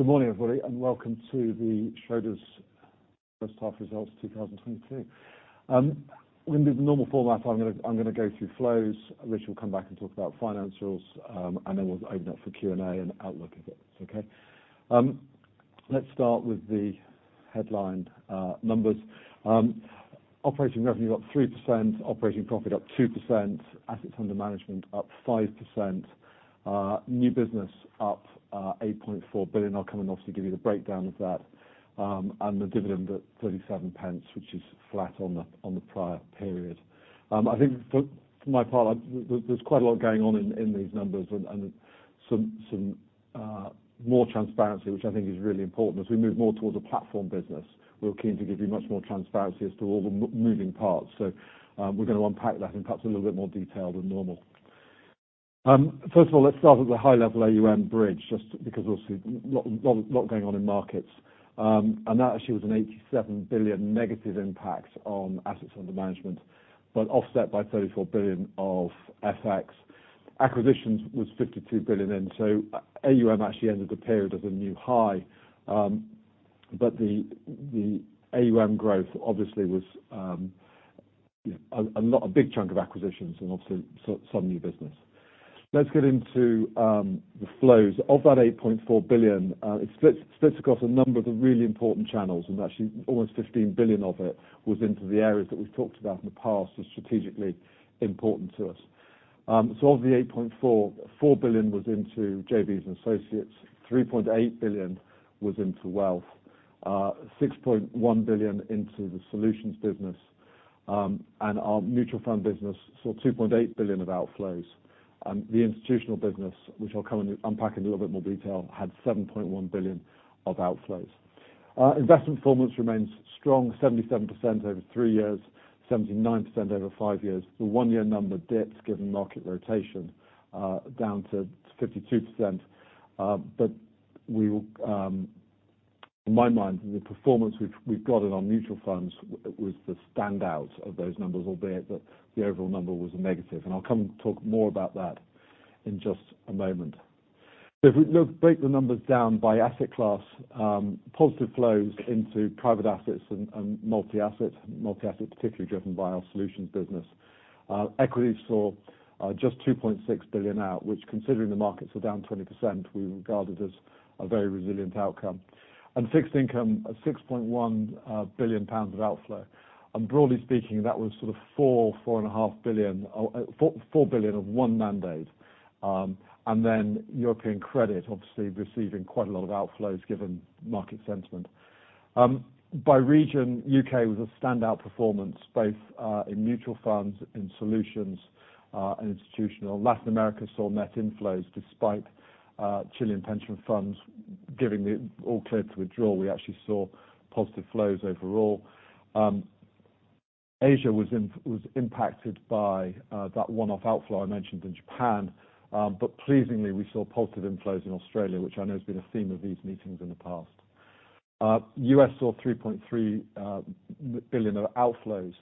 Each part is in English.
Good morning, everybody, and welcome to the Schroders H1 results 2022. We're gonna do the normal format. I'm gonna go through flows. Rich will come back and talk about financials. Then we'll open up for Q&A and outlook, if it's okay. Let's start with the headline numbers. Operating revenue up 3%, operating profit up 2%, assets under management up 5%. New business up 8.4 billion. I'll come and obviously give you the breakdown of that, and the dividend at 37 pence, which is flat on the prior period. I think for my part, there's quite a lot going on in these numbers and some more transparency, which I think is really important. As we move more towards a platform business, we're keen to give you much more transparency as to all the moving parts. We're gonna unpack that in perhaps a little bit more detail than normal. First of all, let's start at the high-level AUM bridge, just because obviously a lot going on in markets. That actually was a 87 billion negative impact on assets under management, but offset by 34 billion of FX. Acquisitions was 52 billion, and so AUM actually ended the period at a new high. The AUM growth obviously was you know a lot, a big chunk of acquisitions and obviously some new business. Let's get into the flows. Of that 8.4 billion, it splits across a number of the really important channels, and actually almost 15 billion of it was into the areas that we've talked about in the past as strategically important to us. Of the 8.4 billion, 4 billion was into JVs and associates, 3.8 billion was into wealth, 6.1 billion into the solutions business, and our mutual fund business saw 2.8 billion of outflows. The institutional business, which I'll come and unpack in a little bit more detail, had 7.1 billion of outflows. Investment performance remains strong, 77% over three years, 79% over five years. The one-year number dips given market rotation, down to 52%. We will. In my mind, the performance we've got in our mutual funds was the standout of those numbers, albeit that the overall number was a negative. I'll come and talk more about that in just a moment. If we look, break the numbers down by asset class, positive flows into private assets and multi-asset, multi-asset particularly driven by our solutions business. Equities saw just 2.6 billion out, which considering the markets are down 20%, we regard it as a very resilient outcome. Fixed income, at 6.1 billion pounds of outflow. Broadly speaking, that was sort of four and a half billion, four billion of one mandate. European credit obviously receiving quite a lot of outflows given market sentiment. By region, UK was a standout performance both in mutual funds, in solutions, and institutional. Latin America saw net inflows despite Chilean pension funds giving the all clear to withdraw. We actually saw positive flows overall. Asia was impacted by that one-off outflow I mentioned in Japan. But pleasingly, we saw positive inflows in Australia, which I know has been a theme of these meetings in the past. US saw 3.3 billion of outflows,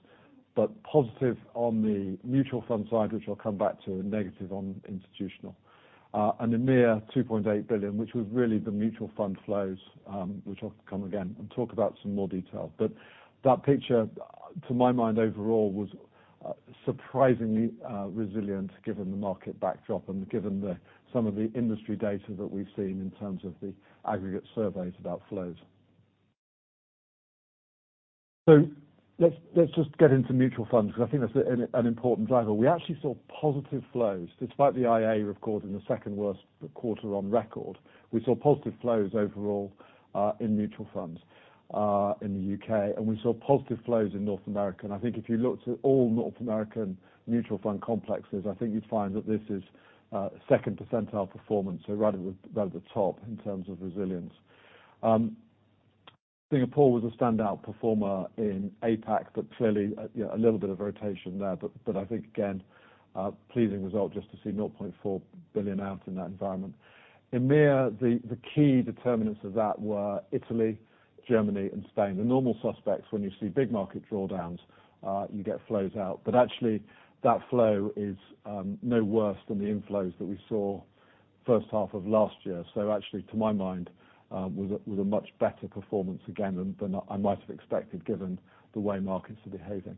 but positive on the mutual fund side, which I'll come back to, and negative on institutional. And EMEA 2.8 billion, which was really the mutual fund flows, which I'll come again and talk about in some more detail. That picture, to my mind overall, was surprisingly resilient given the market backdrop and given some of the industry data that we've seen in terms of the aggregate surveys about flows. Let's just get into mutual funds, because I think that's an important driver. We actually saw positive flows, despite the IA, of course, in the second worst quarter on record. We saw positive flows overall in mutual funds in the UK, and we saw positive flows in North America. I think if you looked at all North American mutual fund complexes, I think you'd find that this is second percentile performance, so right at the top in terms of resilience. Singapore was a standout performer in APAC, but clearly you know a little bit of rotation there. I think again, a pleasing result just to see 0.4 billion out in that environment. EMEA, the key determinants of that were Italy, Germany and Spain. The normal suspects when you see big market drawdowns, you get flows out. Actually that flow is no worse than the inflows that we saw H1 of last year. Actually, to my mind, was a much better performance again than I might have expected given the way markets are behaving.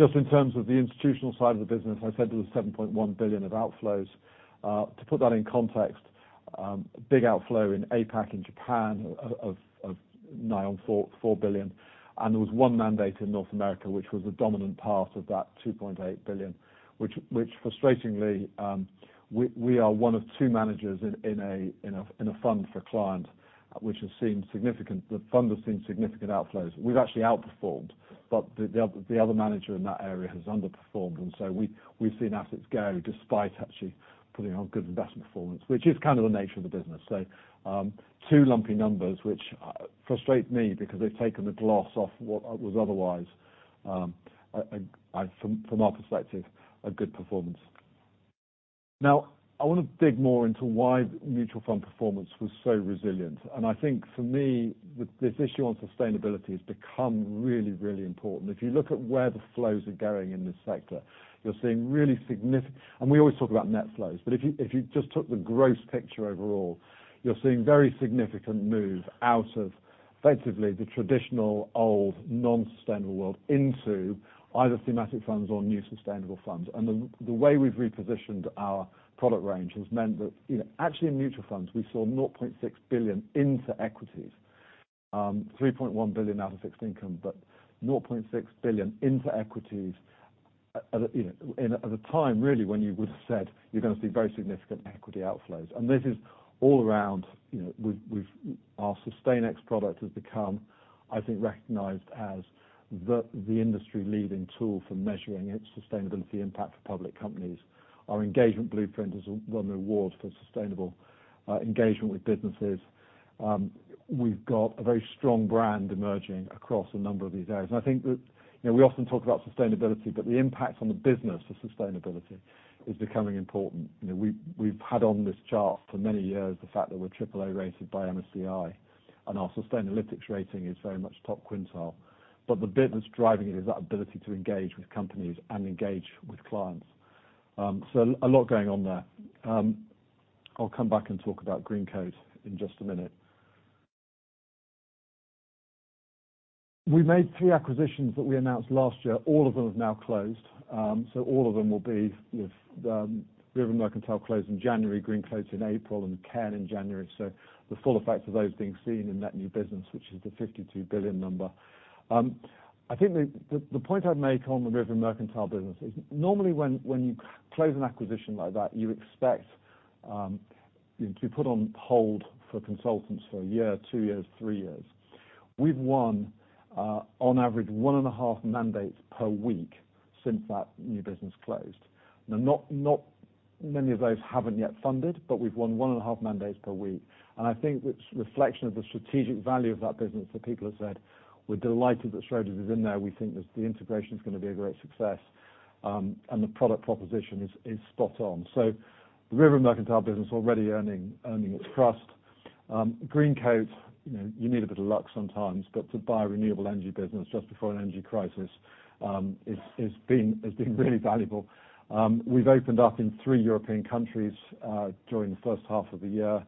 Just in terms of the institutional side of the business, I said there was 7.1 billion of outflows. To put that in context, big outflow in APAC in Japan of nigh on 4 billion. There was one mandate in North America, which was a dominant part of that 2.8 billion, which frustratingly, we are one of two managers in a fund for client, which has seen significant outflows. The fund has seen significant outflows. We've actually outperformed, but the other manager in that area has underperformed, and we've seen assets go despite actually putting on good investment performance, which is kind of the nature of the business. Two lumpy numbers which frustrate me because they've taken the gloss off what was otherwise, a—from our perspective, a good performance. Now, I wanna dig more into why mutual fund performance was so resilient. I think for me, this issue on sustainability has become really, really important. If you look at where the flows are going in this sector, you're seeing. We always talk about net flows, but if you just took the gross picture overall, you're seeing very significant move out of, effectively, the traditional old non-sustainable world into either thematic funds or new sustainable funds. The way we've repositioned our product range has meant that, actually in mutual funds, we saw 0.6 billion into equities, 3.1 billion out of fixed income, but 0.6 billion into equities. At a time, really, when you would've said you're gonna see very significant equity outflows. This is all around, we've our SustainEx product has become, I think, recognized as the industry-leading tool for measuring its sustainability impact for public companies. Our Engagement Blueprint has won an award for sustainable engagement with businesses. We've got a very strong brand emerging across a number of these areas. I think that, we often talk about sustainability, but the impact on the business of sustainability is becoming important. We've had on this chart for many years the fact that we're AAA rating from MSCI, and our Sustainalytics rating is very much top quintile. The bit that's driving it is that ability to engage with companies and engage with clients. A lot going on there. I'll come back and talk about Greencoat in just a minute. We made three acquisitions that we announced last year. All of them have now closed. All of them will be with River and Mercantile closed in January with Greencoat closed in April. The full effect of those being seen in net new business, which is the 52 billion number. I think the point I'd make on the River and Mercantile business is normally when you close an acquisition like that, you expect, to be put on hold for consultants for a year, two years, three years. We've won, on average one and a half mandates per week since that new business closed. Now, not many of those haven't yet funded, but we've won one and a half mandates per week. I think it's a reflection of the strategic value of that business that people have said, we're delighted that Schroders is in there. We think that the integration is gonna be a great success, and the product proposition is spot on. The River and Mercantile business already earning its trust. Greencoat, you need a bit of luck sometimes, but to buy a renewable energy business just before an energy crisis has been really valuable. We've opened up in three European countries during the first half of the year.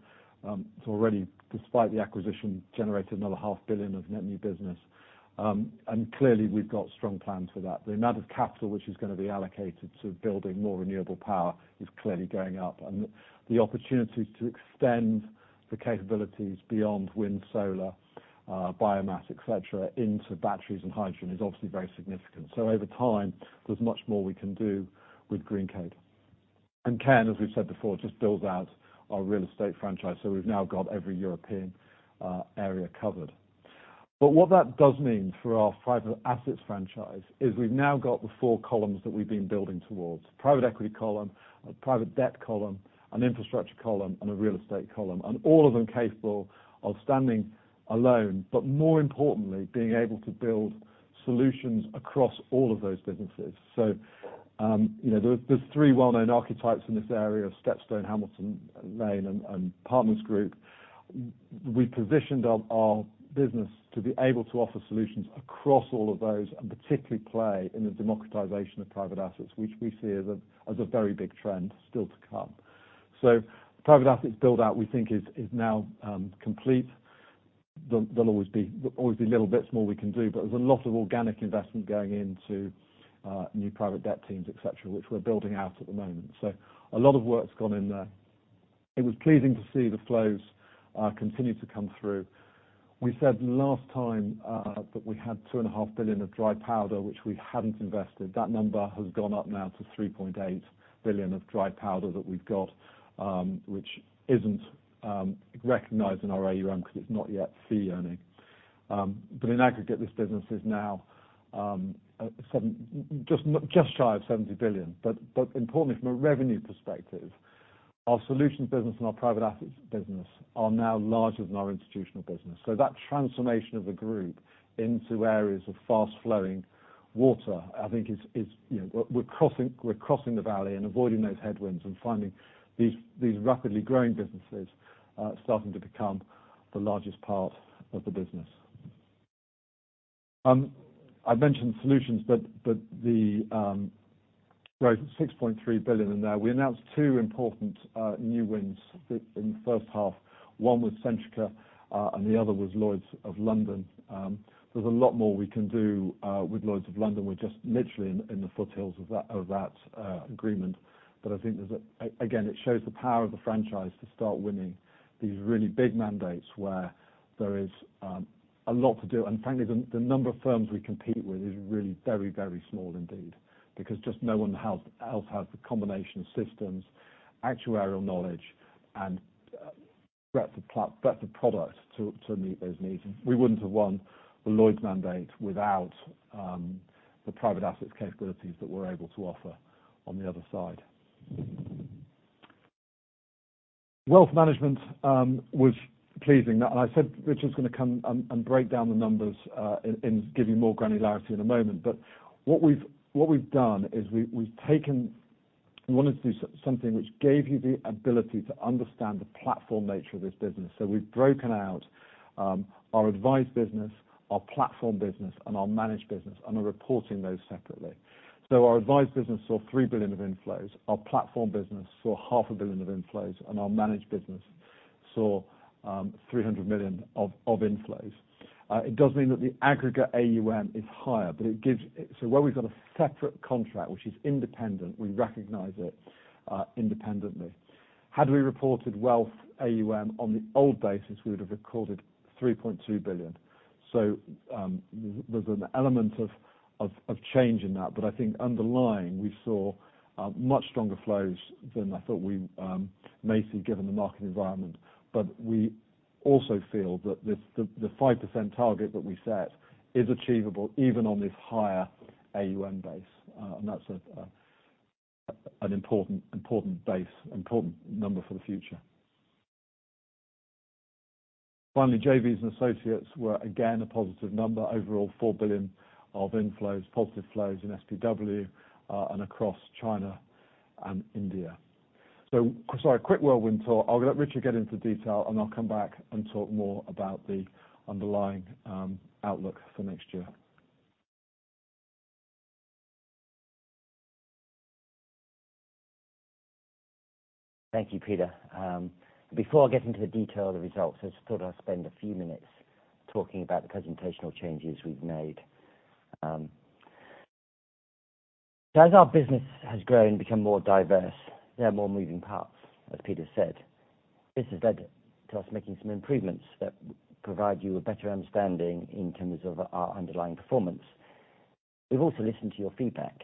It's already, despite the acquisition, generated another GBP half billion of net new business. Clearly we've got strong plans for that. The amount of capital which is gonna be allocated to building more renewable power is clearly going up. The opportunities to extend the capabilities beyond wind, solar, biomass, et cetera, into batteries and hydrogen is obviously very significant. Over time, there's much more we can do with Greencoat. Cairn, as we've said before, just builds out our real estate franchise, so we've now got every European area covered. What that does mean for our private assets franchise is we've now got the four core pillars that we've been building towards. Private equity column, a private debt column, an infrastructure column, and a real estate column. All of them capable of standing alone, but more importantly, being able to build solutions across all of those businesses. There's three well-known archetypes in this area of StepStone, Hamilton Lane and Partners Group. We positioned our business to be able to offer solutions across all of those, and particularly play in the democratization of private assets, which we see as a very big trend still to come. Private assets build out, we think is now complete. There'll always be little bits more we can do, but there's a lot of organic investment going into new private debt teams, et cetera, which we're building out at the moment. A lot of work's gone in there. It was pleasing to see the flows continue to come through. We said last time that we had 2.5 billion of dry powder, which we hadn't invested. That number has gone up now to 3.8 billion of dry powder that we've got, which isn't recognized in our AUM because it's not yet fee earning. But in aggregate, this business is now just shy of 70 billion. Importantly from a revenue perspective, our solutions business and our private assets business are now larger than our institutional business. That transformation of the group into areas of fast-flowing water, I think is you know, we're crossing the valley and avoiding those headwinds and finding these rapidly growing businesses starting to become the largest part of the business. I've mentioned solutions, but there's 6.3 billion in there. We announced two important new wins in the H1. One was Centrica and the other was Lloyd's of London. There's a lot more we can do with Lloyd's of London. We're just literally in the foothills of that agreement. I think there's, again, it shows the power of the franchise to start winning these really big mandates where there is a lot to do. Frankly, the number of firms we compete with is really very small indeed, because just no one else has the combination of systems, actuarial knowledge, and breadth of product to meet those needs. We wouldn't have won the Lloyd's mandate without the private assets capabilities that we're able to offer on the other side. Wealth management was pleasing. Now, I said Richard's gonna come and break down the numbers and give you more granularity in a moment. What we've done is we've taken. We wanted to do something which gave you the ability to understand the platform nature of this business. We've broken out our advice business, our platform business, and our managed business, and are reporting those separately. Our advice business saw 3 billion of inflows, our platform business saw 0.5 billion of inflows, and our managed business saw 300 million of inflows. It does mean that the aggregate AUM is higher, but where we've got a separate contract which is independent, we recognize it independently. Had we reported wealth AUM on the old basis, we would have recorded 3.2 billion. There's an element of change in that. I think underlying, we saw much stronger flows than I thought we may see given the market environment. We also feel that the 5% target that we set is achievable even on this higher AUM base. That's an important base, important number for the future. Finally, JVs and associates were again a positive number. Overall, 4 billion of inflows, positive flows in SPW, and across China and India. A quick whirlwind tour. I'll let Richard get into detail, and I'll come back and talk more about the underlying outlook for next year. Thank you, Peter. Before I get into the detail of the results, I just thought I'd spend a few minutes talking about the presentational changes we've made. As our business has grown and become more diverse, there are more moving parts, as Peter said. This has led to us making some improvements that provide you a better understanding in terms of our underlying performance. We've also listened to your feedback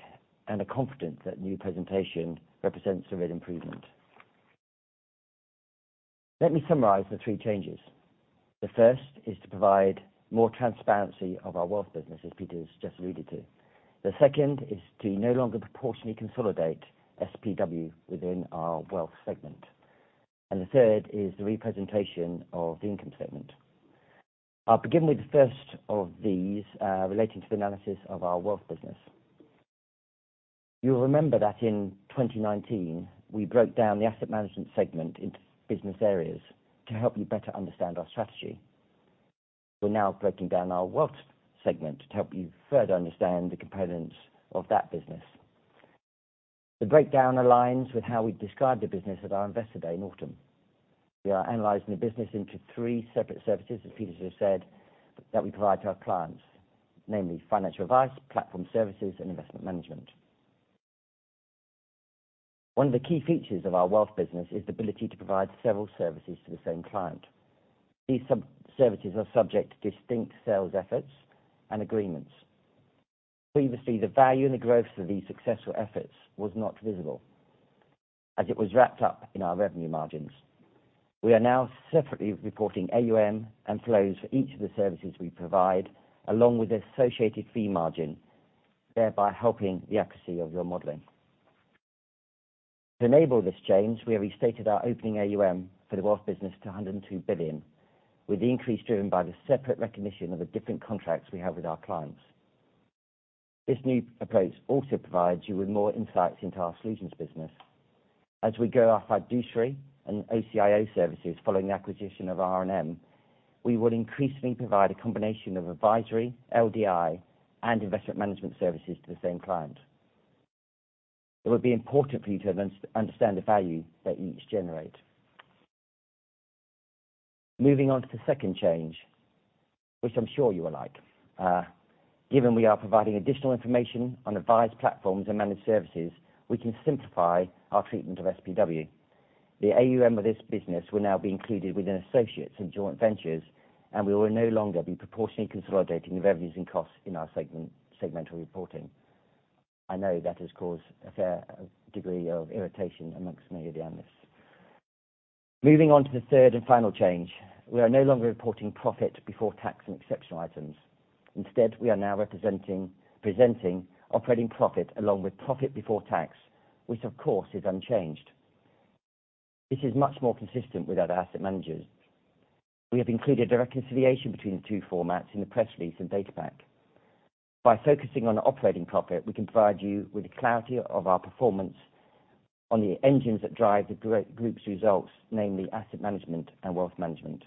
and are confident that new presentation represents a real improvement. Let me summarize the three changes. The first is to provide more transparency of our wealth business, as Peter's just alluded to. The second is to no longer proportionally consolidate SPW within our wealth segment. The third is the representation of the income statement. I'll begin with the first of these, relating to the analysis of our wealth business. You'll remember that in 2019, we broke down the asset management segment into business areas to help you better understand our strategy. We're now breaking down our wealth segment to help you further understand the components of that business. The breakdown aligns with how we described the business at our Autumn Investor Day. We are analyzing the business into three core services, as Peter just said, that we provide to our clients, namely financial advice, platform services and investment management. One of the key features of our wealth business is the ability to provide several services to the same client. These sub-services are subject to distinct sales efforts and agreements. Previously, the value and the growth of these successful efforts was not visible as it was wrapped up in our revenue margins. We are now separately reporting AUM and flows for each of the services we provide, along with the associated fee margin, thereby helping the accuracy of your modeling. To enable this change, we have restated our opening AUM for the wealth business to 102 billion, with the increase driven by the separate recognition of the different contracts we have with our clients. This new approach also provides you with more insights into our solutions business. As we grow our fiduciary and OCIO services following the acquisition of R&M, we will increasingly provide a combination of advisory, LDI and investment management services to the same client. It will be important for you to understand the value that each generate. Moving on to the second change, which I'm sure you will like. Given we are providing additional information on advised platforms and managed services, we can simplify our treatment of SPW. The AUM of this business will now be included within associates and joint ventures, and we will no longer be proportionally consolidating the revenues and costs in our segmental reporting. I know that has caused a fair degree of irritation among many of the analysts. Moving on to the third and final change. We are no longer reporting profit before tax and exceptional items. Instead, we are now presenting operating profit along with profit before tax, which of course is unchanged. This is much more consistent with other asset managers. We have included a reconciliation between the two formats in the press release and data pack. By focusing on operating profit, we can provide you with the clarity of our performance on the engines that drive the group's results, namely asset management and wealth management.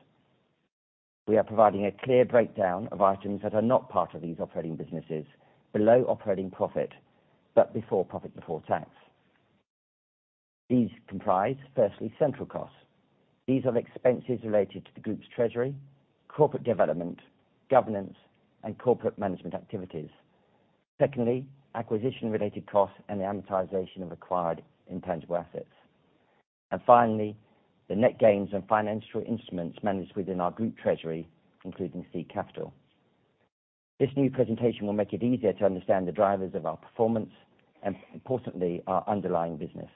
We are providing a clear breakdown of items that are not part of these operating businesses below operating profit, but before profit before tax. These comprise, firstly, central costs. These are the expenses related to the group's treasury, corporate development, governance and corporate management activities. Secondly, acquisition-related costs and the amortization of acquired intangible assets. Finally, the net gains and financial instruments managed within our group treasury, including seed capital. This new presentation will make it easier to understand the drivers of our performance and importantly, our underlying business.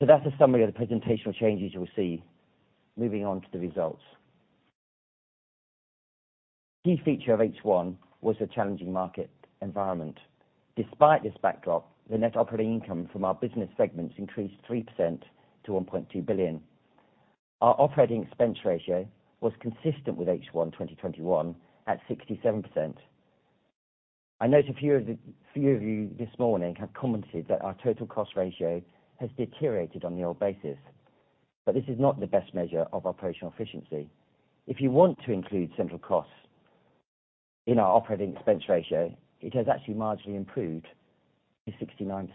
That's a summary of the presentational changes you'll see. Moving on to the results. Key feature of H1 was the challenging market environment. Despite this backdrop, the net operating income from our business segments increased 3% to 1.2 billion. Our operating expense ratio was consistent with H1 2021 at 67%. I note a few of you this morning have commented that our total cost ratio has deteriorated on the old basis. This is not the best measure of operational efficiency. If you want to include central costs in our operating expense ratio, it has actually marginally improved to 69%.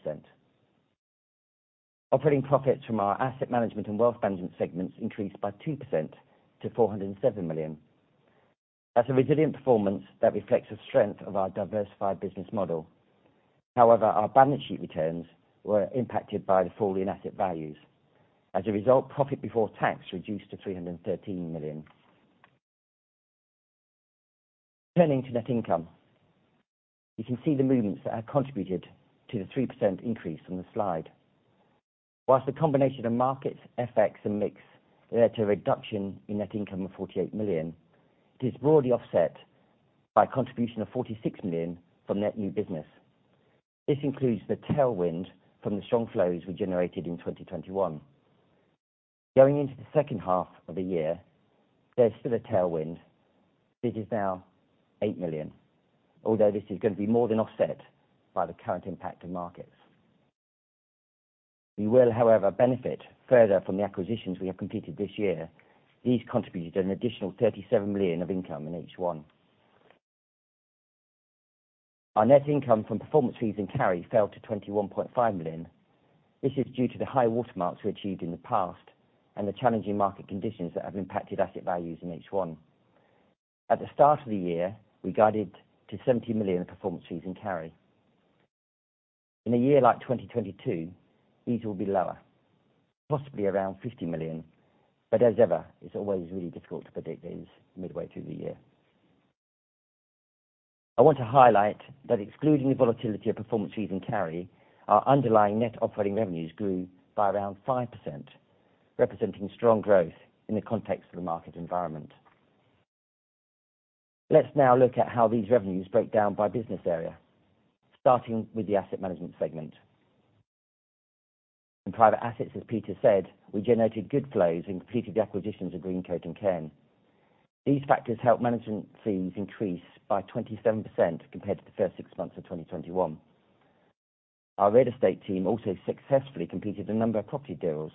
Operating profits from our asset management and wealth management segments increased by 2% to 407 million. That's a resilient performance that reflects the strength of our diversified business model. However, our balance sheet returns were impacted by the fall in asset values. As a result, profit before tax reduced to 313 million. Turning to net income, you can see the movements that have contributed to the 3% increase on the slide. While the combination of markets, FX, and mix led to a reduction in net income of 48 million, it is broadly offset by contribution of 46 million from net new business. This includes the tailwind from the strong flows we generated in 2021. Going into the second half of the year, there's still a tailwind. This is now 8 million, although this is gonna be more than offset by the current impact of markets. We will, however, benefit further from the acquisitions we have completed this year. These contributed an additional 37 million of income in H1. Our net income from performance fees and carry fell to 21.5 million. This is due to the high watermarks we achieved in the past and the challenging market conditions that have impacted asset values in H1. At the start of the year, we guided to 70 million in performance fees and carry. In a year like 2022, these will be lower, possibly around 50 million. As ever, it's always really difficult to predict these midway through the year. I want to highlight that excluding the volatility of performance fees and carry, our underlying net operating revenues grew by around 5%, representing strong growth in the context of the market environment. Let's now look at how these revenues break down by business area, starting with the asset management segment. In private assets, as Peter said, we generated good flows and completed the acquisitions of Greencoat and Cairn. These factors helped management fees increase by 27% compared to the first six months of 2021. Our real estate team also successfully completed a number of property deals,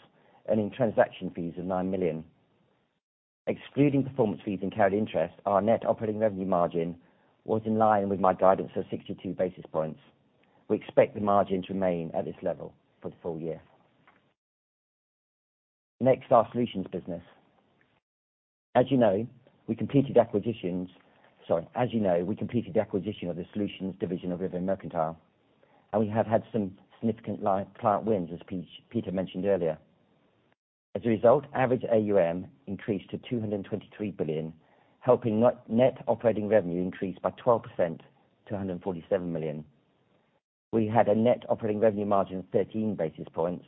earning transaction fees of 9 million. Excluding performance fees and carry interest, our net operating revenue margin was in line with my guidance of 62 basis points. We expect the margin to remain at this level for the full-year. Next, our solutions business. As you know, we completed the acquisition of the solutions division of River and Mercantile, and we have had some significant client wins, as Peter mentioned earlier. As a result, average AUM increased to 223 billion, helping net operating revenue increase by 12% to 147 million. We had a net operating revenue margin of 13 basis points.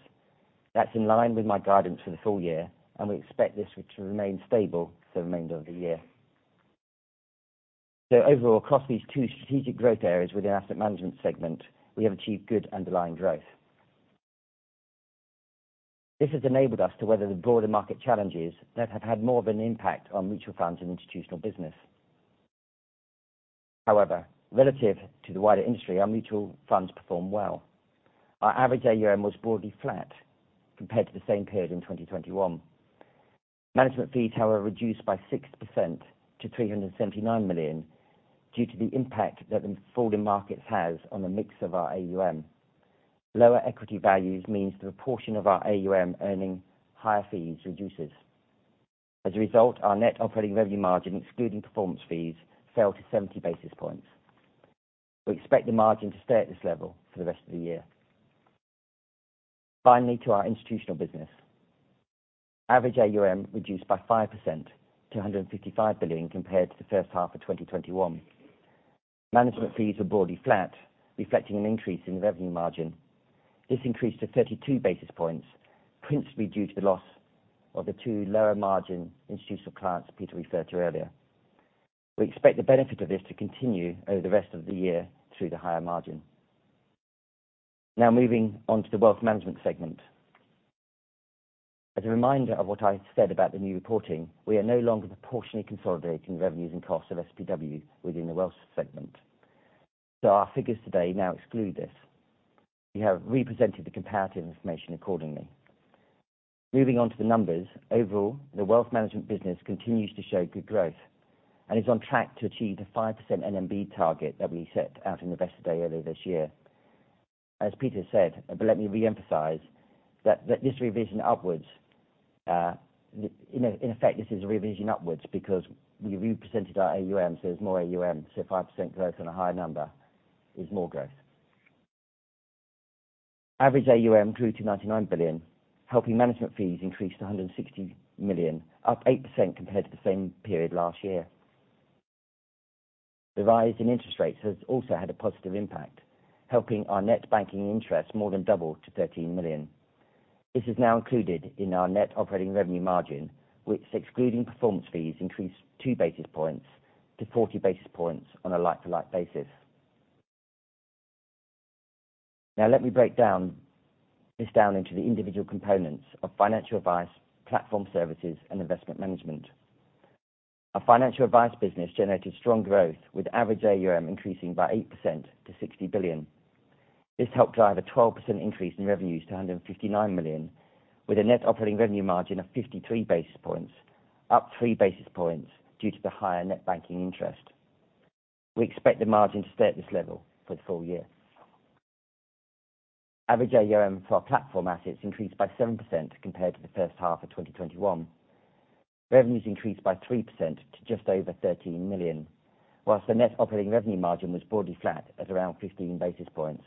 That's in line with my guidance for the full-year, and we expect this to remain stable for the remainder of the year. Overall, across these two strategic growth areas within the asset management segment, we have achieved good underlying growth. This has enabled us to weather the broader market challenges that have had more of an impact on mutual funds and institutional business. However, relative to the wider industry, our mutual funds performed well. Our average AUM was broadly flat compared to the same period in 2021. Management fees, however, reduced by 6% to 379 million due to the impact that the falling markets has on the mix of our AUM. Lower equity values means the proportion of our AUM earning higher fees reduces. As a result, our net operating revenue margin, excluding performance fees, fell to 70 basis points. We expect the margin to stay at this level for the rest of the year. Finally, to our institutional business. Average AUM reduced by 5% to 155 billion compared to the H1 2021. Management fees were broadly flat, reflecting an increase in the revenue margin. This increased to 32 basis points, principally due to the loss of the two lower margin institutional clients Peter referred to earlier. We expect the benefit of this to continue over the rest of the year through the higher margin. Now moving on to the wealth management segment. As a reminder of what I said about the new reporting, we are no longer proportionally consolidating revenues and costs of SPW within the wealth segment, so our figures today now exclude this. We have represented the comparative information accordingly. Moving on to the numbers. Overall, the wealth management business continues to show good growth and is on track to achieve the 5% NMB target that we set out in the Investor Day earlier this year. As Peter said, let me reemphasize that this revision upwards, in effect, this is a revision upwards because we represented our AUM, so there's more AUM, so 5% growth on a higher number is more growth. Average AUM grew to 99 billion, helping management fees increase to 160 million, up 8% compared to the same period last year. The rise in interest rates has also had a positive impact, helping our net banking interest more than double to 13 million. This is now included in our net operating revenue margin, which excluding performance fees increased 2 basis points to 40 basis points on a like-for-like basis. Now let me break this down into the individual components of financial advice, platform services, and investment management. Our financial advice business generated strong growth with average AUM increasing by 8% to 60 billion. This helped drive a 12% increase in revenues to 159 million, with a net operating revenue margin of 53 basis points, up 3 basis points due to the higher net banking interest. We expect the margin to stay at this level for the full year. Average AUM for our platform assets increased by 7% compared to the H1 2021. Revenues increased by 3% to just over 13 million. While the net operating revenue margin was broadly flat at around 15 basis points.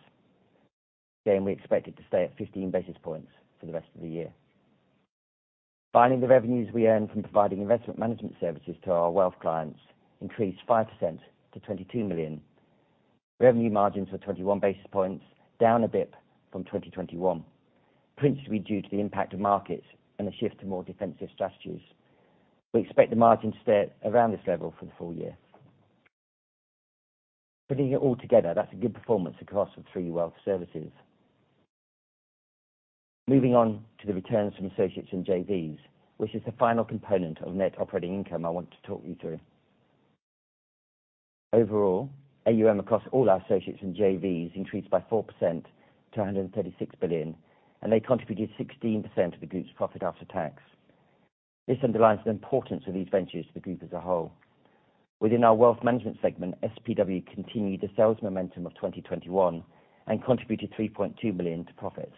Again, we expect it to stay at 15 basis points for the rest of the year. Finally, the revenues we earn from providing investment management services to our wealth clients increased 5% to 22 million. Revenue margins were 21 basis points down a bit from 2021, principally due to the impact of markets and a shift to more defensive strategies. We expect the margin to stay around this level for the full-year. Putting it all together, that's a good performance across the three wealth services. Moving on to the returns from associates and JVs, which is the final component of net operating income I want to talk you through. Overall, AUM across all our associates and JVs increased by 4% to 136 billion, and they contributed 16% of the group's profit after tax. This underlines the importance of these ventures to the group as a whole. Within our wealth management segment, SPW continued the sales momentum of 2021 and contributed 3.2 billion to profits.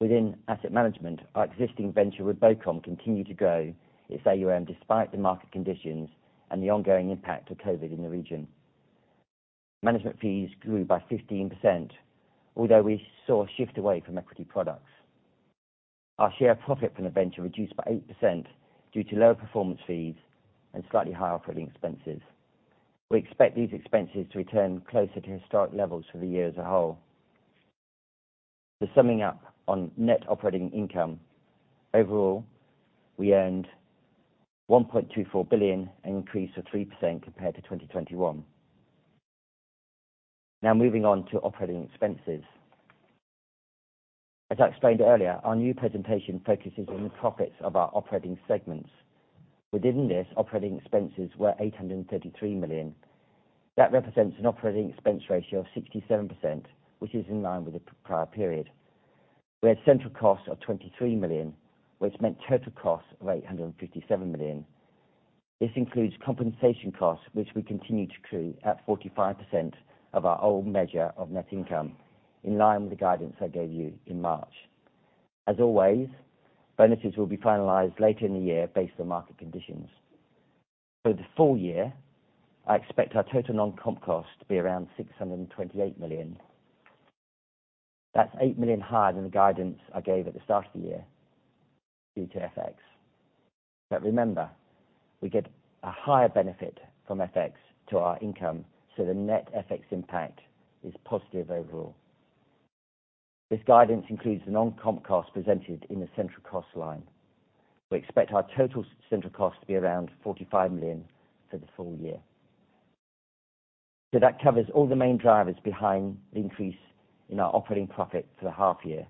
Within asset management, our existing venture with BOCOM continued to grow its AUM despite the market conditions and the ongoing impact of COVID-19 in the region. Management fees grew by 15%, although we saw a shift away from equity products. Our share profit from the venture reduced by 8% due to lower performance fees and slightly higher operating expenses. We expect these expenses to return closer to historic levels for the year as a whole. For summing up on net operating income. Overall, we earned 1.24 billion, an increase of 3% compared to 2021. Now moving on to operating expenses. As I explained earlier, our new presentation focuses on the profits of our operating segments. Within this, operating expenses were 833 million. That represents an operating expense ratio of 67%, which is in line with the prior period. We had central costs of 23 million, which meant total costs of 857 million. This includes compensation costs, which we continue to accrue at 45% of our old measure of net income, in line with the guidance I gave you in March. As always, bonuses will be finalized later in the year based on market conditions. For the full year, I expect our total non-comp costs to be around 628 million. That's 8 million higher than the guidance I gave at the start of the year due to FX. Remember, we get a higher benefit from FX to our income, so the net FX impact is positive overall. This guidance includes the non-comp cost presented in the central cost line. We expect our total central cost to be around 45 million for the full-year. That covers all the main drivers behind the increase in our operating profit for the half year.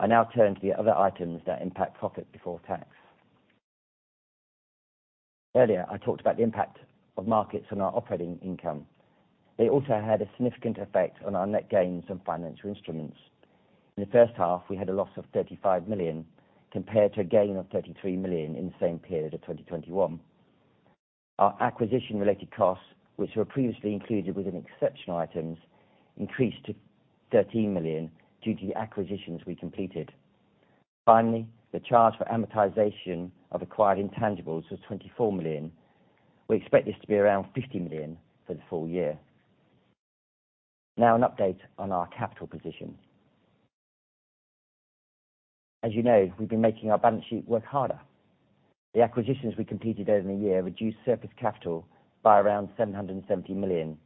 I now turn to the other items that impact profit before tax. Earlier, I talked about the impact of markets on our operating income. They also had a significant effect on our net gains and financial instruments. In the H1, we had a loss of 35 million compared to a gain of 33 million in the same period of 2021. Our acquisition-related costs, which were previously included within exceptional items, increased to 13 million due to the acquisitions we completed. Finally, the charge for amortization of acquired intangibles was 24 million. We expect this to be around 50 million for the full year. Now an update on our capital position. As you know, we've been making our balance sheet work harder. The acquisitions we completed over the year reduced surplus capital by around 770 million.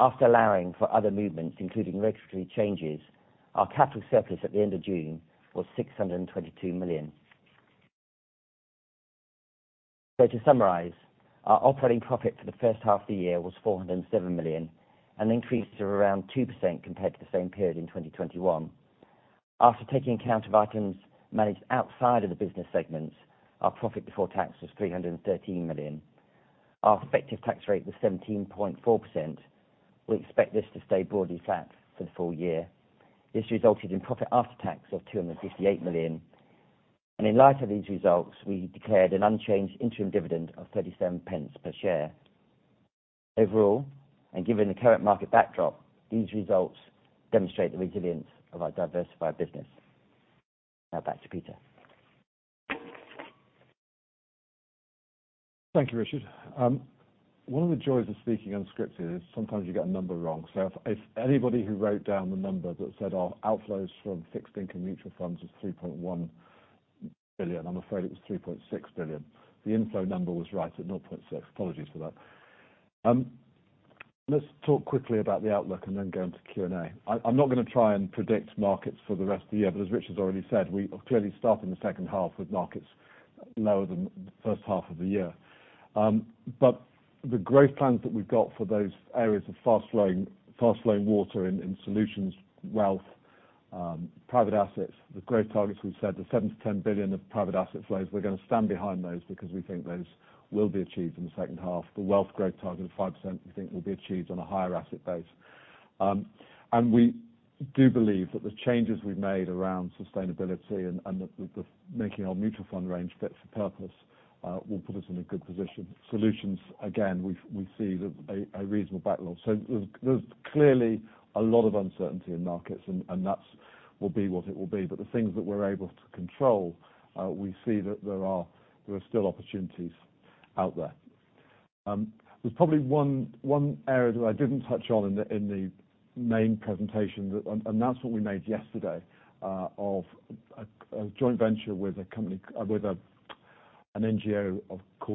After allowing for other movements, including regulatory changes, our capital surplus at the end of June was 622 million. To summarize, our operating profit for the first half of the year was 407 million, an increase of around 2% compared to the same period in 2021. After taking account of items managed outside of the business segments, our profit before tax was 313 million. Our effective tax rate was 17.4%. We expect this to stay broadly flat for the full-year. This resulted in profit after tax of 258 million. In light of these results, we declared an unchanged interim dividend of 37 pence per share. Overall, and given the current market backdrop, these results demonstrate the resilience of our diversified business. Now back to Peter. Thank you, Richard. One of the joys of speaking unscripted is sometimes you get a number wrong. If anybody who wrote down the number that said our outflows from fixed income mutual funds was 3.1 billion, I'm afraid it was 3.6 billion. The inflow number was right at 0.6 billion. Apologies for that. Let's talk quickly about the outlook and then go into Q&A. I'm not gonna try and predict markets for the rest of the year, as Richard's already said, we are clearly starting the second half with markets lower than the first half of the year. The growth plans that we've got for those areas of fast flowing water in solutions, wealth, private assets. The growth targets, we've said 7 billion- 10 billion of private assets flows. We're gonna stand behind those because we think those will be achieved in the H2. The wealth growth target of 5%, we think will be achieved on a higher asset base. We do believe that the changes we've made around sustainability and the making of our mutual fund range fit for purpose will put us in a good position. Solutions, again, we see a reasonable backlog. There's clearly a lot of uncertainty in markets, and that's what it will be. The things that we're able to control, we see that there are still opportunities out there. There's probably one area that I didn't touch on in the main presentation, the announcement we made yesterday, of a joint venture with a company with an NGO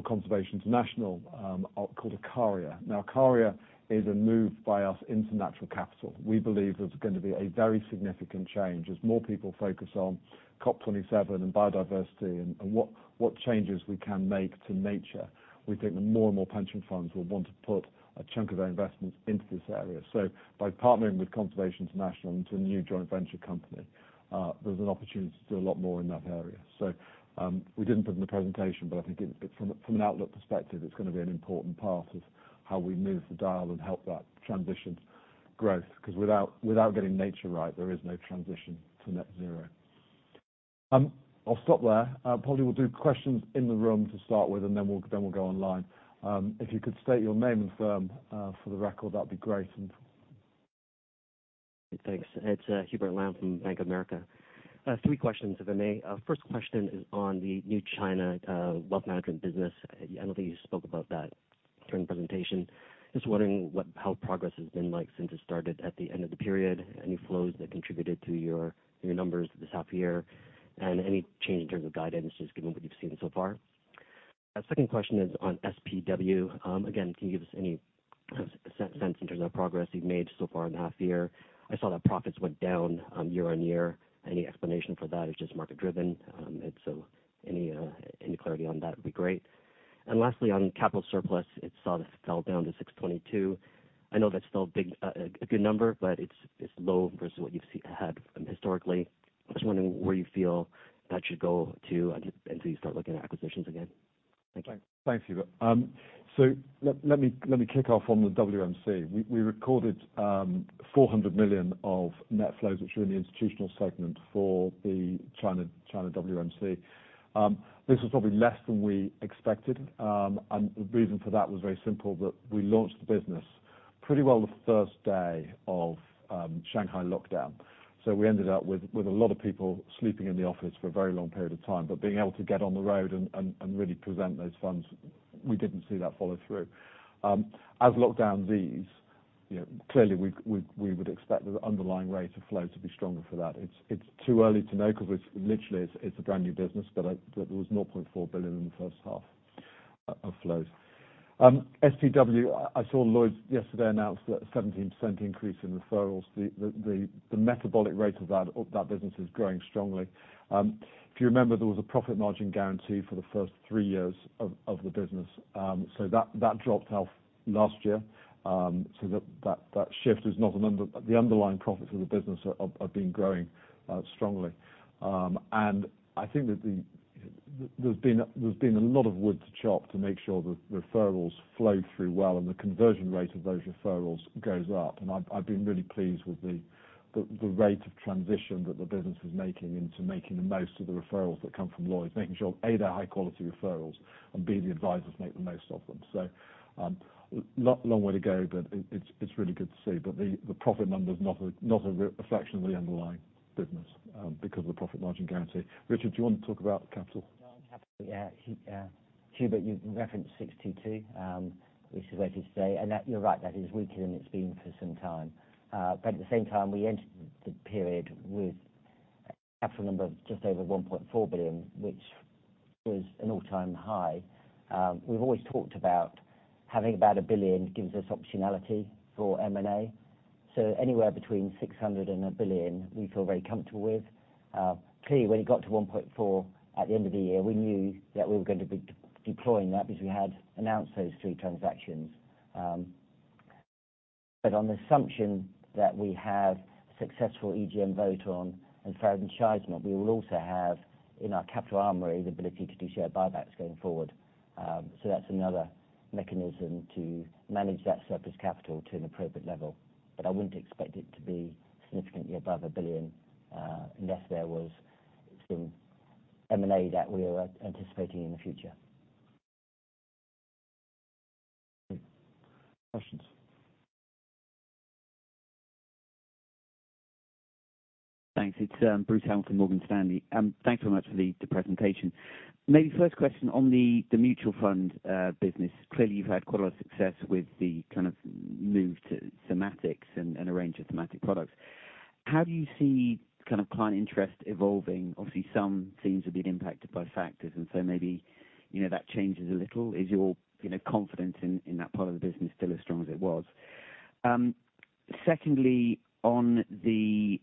Conservation International called Akaria Natural Capital. Now, Akaria Natural Capital is a move by us into natural capital. We believe there's gonna be a very significant change as more people focus on COP27, biodiversity and what changes we can make to nature. We think that more and more pension funds will want to put a chunk of their investments into this area. By partnering with Conservation International into a new joint venture company, there's an opportunity to do a lot more in that area. We didn't put it in the presentation, but I think it from an outlook perspective, it's gonna be an important part of how we move the dial and help that transition growth. Because without getting nature right, there is no transition to net zero. I'll stop there. Probably we'll do questions in the room to start with, and then we'll go online. If you could state your name and firm for the record, that'd be great. Thanks. It's Hubert Lam from Bank of America. I have three questions, if I may. First question is on the new China wealth management business. I know that you spoke about that during the presentation. Just wondering how progress has been like since it started at the end of the period, any flows that contributed to your numbers this half year, and any change in terms of guidance, just given what you've seen so far. Second question is on SPW. Again, can you give us any sense in terms of progress you've made so far in the half year? I saw that profits went down year-on-year. Any explanation for that or just market driven? If so, any clarity on that would be great. Lastly, on capital surplus, it saw this fall down to 622 million. I know that's still a big, a good number, but it's low versus what you've seen historically. I'm just wondering where you feel that should go to until you start looking at acquisitions again. Thank you. Thanks. Thanks, Hubert. Let me kick off on the WMC. We recorded 400 million of net flows, which are in the institutional segment for the China WMC. This was probably less than we expected. The reason for that was very simple, that we launched the business pretty well the first day of Shanghai lockdown. We ended up with a lot of people sleeping in the office for a very long period of time. Being able to get on the road and really present those funds, we didn't see that follow through. As lockdowns ease, you know, clearly we would expect the underlying rate of flow to be stronger for that. It's too early to know 'cause it's literally a brand new business, but it was 0.4 billion in the first half of flows. SPW, I saw Lloyds yesterday announce that a 17% increase in referrals. The metabolic rate of that business is growing strongly. If you remember, there was a profit margin guarantee for the first three years of the business. That dropped off last year. That shift is not underlying. The underlying profits of the business have been growing strongly. I think there's been a lot of wood to chop to make sure that the referrals flow through well and the conversion rate of those referrals goes up. I've been really pleased with the rate of transition that the business is making into making the most of the referrals that come from Lloyds. Making sure, A, they're high quality referrals, and B, the advisors make the most of them. Long way to go, but it's really good to see. The profit number is not a reflection of the underlying business because of the profit margin guarantee. Richard, do you want to talk about capital? Yeah. Hubert, you referenced 622 million, which is where it is today. That, you're right, that is weaker than it's been for some time. At the same time, we entered the period with a capital number of just over 1.4 billion, which was an all-time high. We've always talked about having about a billion gives us optionality for M&A. Anywhere between 600 million and 1 billion, we feel very comfortable with. Clearly, when it got to 1.4 billion at year-end, we knew that we were going to be de-deploying that because we had announced those three transactions. On the assumption that we have successful EGM vote on enfranchisement, we will also have in our capital armory the ability to do share buybacks going forward. That's another mechanism to manage that surplus capital to an appropriate level. But I wouldn't expect it to be significantly above 1 billion, unless there was some M&A that we are anticipating in the future. Questions. Thanks. It's Bruce Hamilton, Morgan Stanley. Thanks very much for the presentation. Maybe first question on the mutual fund business. Clearly, you've had quite a lot of success with the kind of move to thematics and a range of thematic products. How do you see kind of client interest evolving? Obviously, some themes have been impacted by factors, and so maybe, you know, that changes a little. Is your, you know, confidence in that part of the business still as strong as it was? Secondly, on the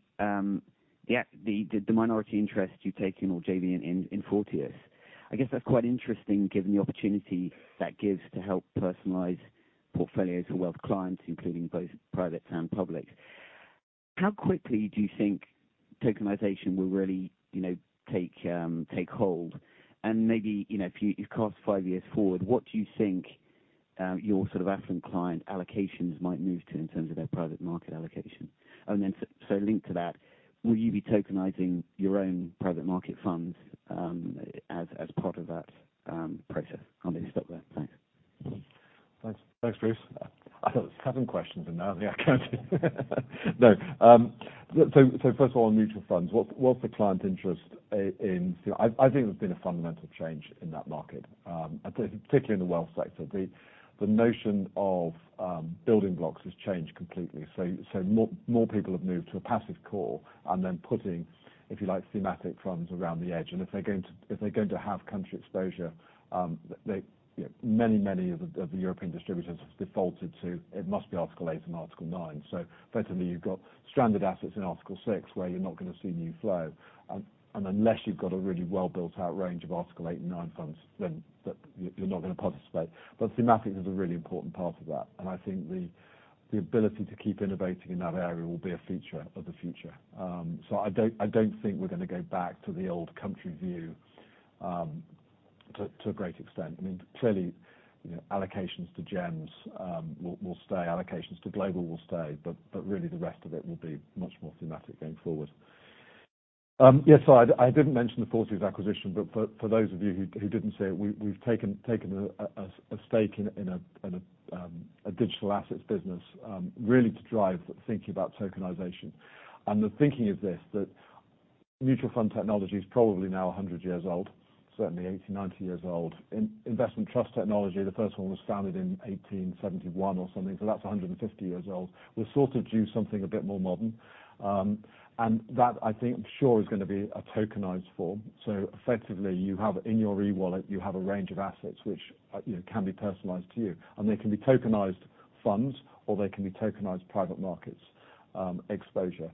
minority interest you take in or JV in Forteus, I guess that's quite interesting given the opportunity that gives to help personalize- Portfolios for wealth clients, including both privates and publics. How quickly do you think tokenization will really, take hold? Maybe, you know, if you cast five years forward, what do you think your sort of affluent client allocations might move to in terms of their private market allocation? Linked to that, will you be tokenizing your own private market funds as part of that process? I'll maybe stop there. Thanks. Thanks. Thanks, Bruce. I thought that was seven questions, and now I think I count eight. No. First of all, on mutual funds, what's the client interest in. I think there's been a fundamental change in that market, particularly in the wealth sector. The notion of building blocks has changed completely. More people have moved to a passive core and then putting, if you like, thematic funds around the edge. And if they're going to have country exposure, many of the European distributors have defaulted to it must be Article 8 and Article 9. Effectively, you've got stranded assets in Article 6, where you're not gonna see new flow. Unless you've got a really well-built out range of Article 8 and 9 funds, then that you're not gonna participate. But thematics is a really important part of that, and I think the ability to keep innovating in that area will be a feature of the future. I don't think we're gonna go back to the old country view to a great extent. I mean, clearly, you know, allocations to gems will stay, allocations to global will stay, but really the rest of it will be much more thematic going forward. I didn't mention the Forge acquisition, but for those of you who didn't see it, we've taken a stake in a digital assets business really to drive thinking about tokenization. The thinking is this: that mutual fund technology is probably now 100 years old, certainly 80- 90 years old. Investment trust technology, the first one was founded in 1871 or something, so that's 150 years old. We're sort of due something a bit more modern, and that I think I'm sure is gonna be a tokenized form. Effectively, you have in your e-wallet, you have a range of assets which, you know, can be personalized to you, and they can be tokenized funds, or they can be tokenized private markets exposure.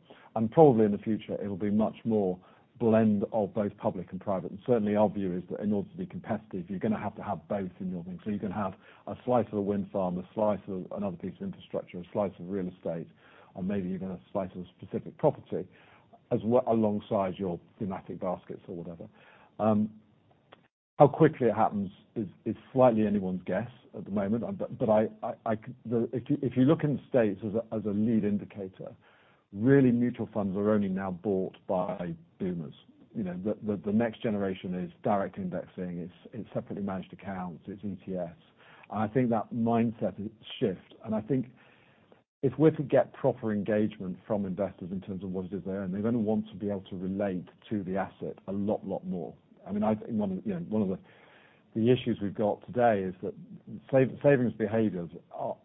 Probably in the future it will be much more blend of both public and private. Certainly our view is that in order to be competitive, you're gonna have to have both in your thing. You're gonna have a slice of a wind farm, a slice of another piece of infrastructure, a slice of real estate, or maybe even a slice of a specific property alongside your thematic baskets or whatever. How quickly it happens is slightly anyone's guess at the moment. If you look in the States as a lead indicator, really mutual funds are only now bought by boomers. You know? The next generation is direct indexing. It's separately managed accounts. It's ETFs. I think that mindset is shifting. I think if we're to get proper engagement from investors in terms of what it is they own, they're gonna want to be able to relate to the asset a lot more. I mean, you know, one of the issues we've got today is that savings behaviors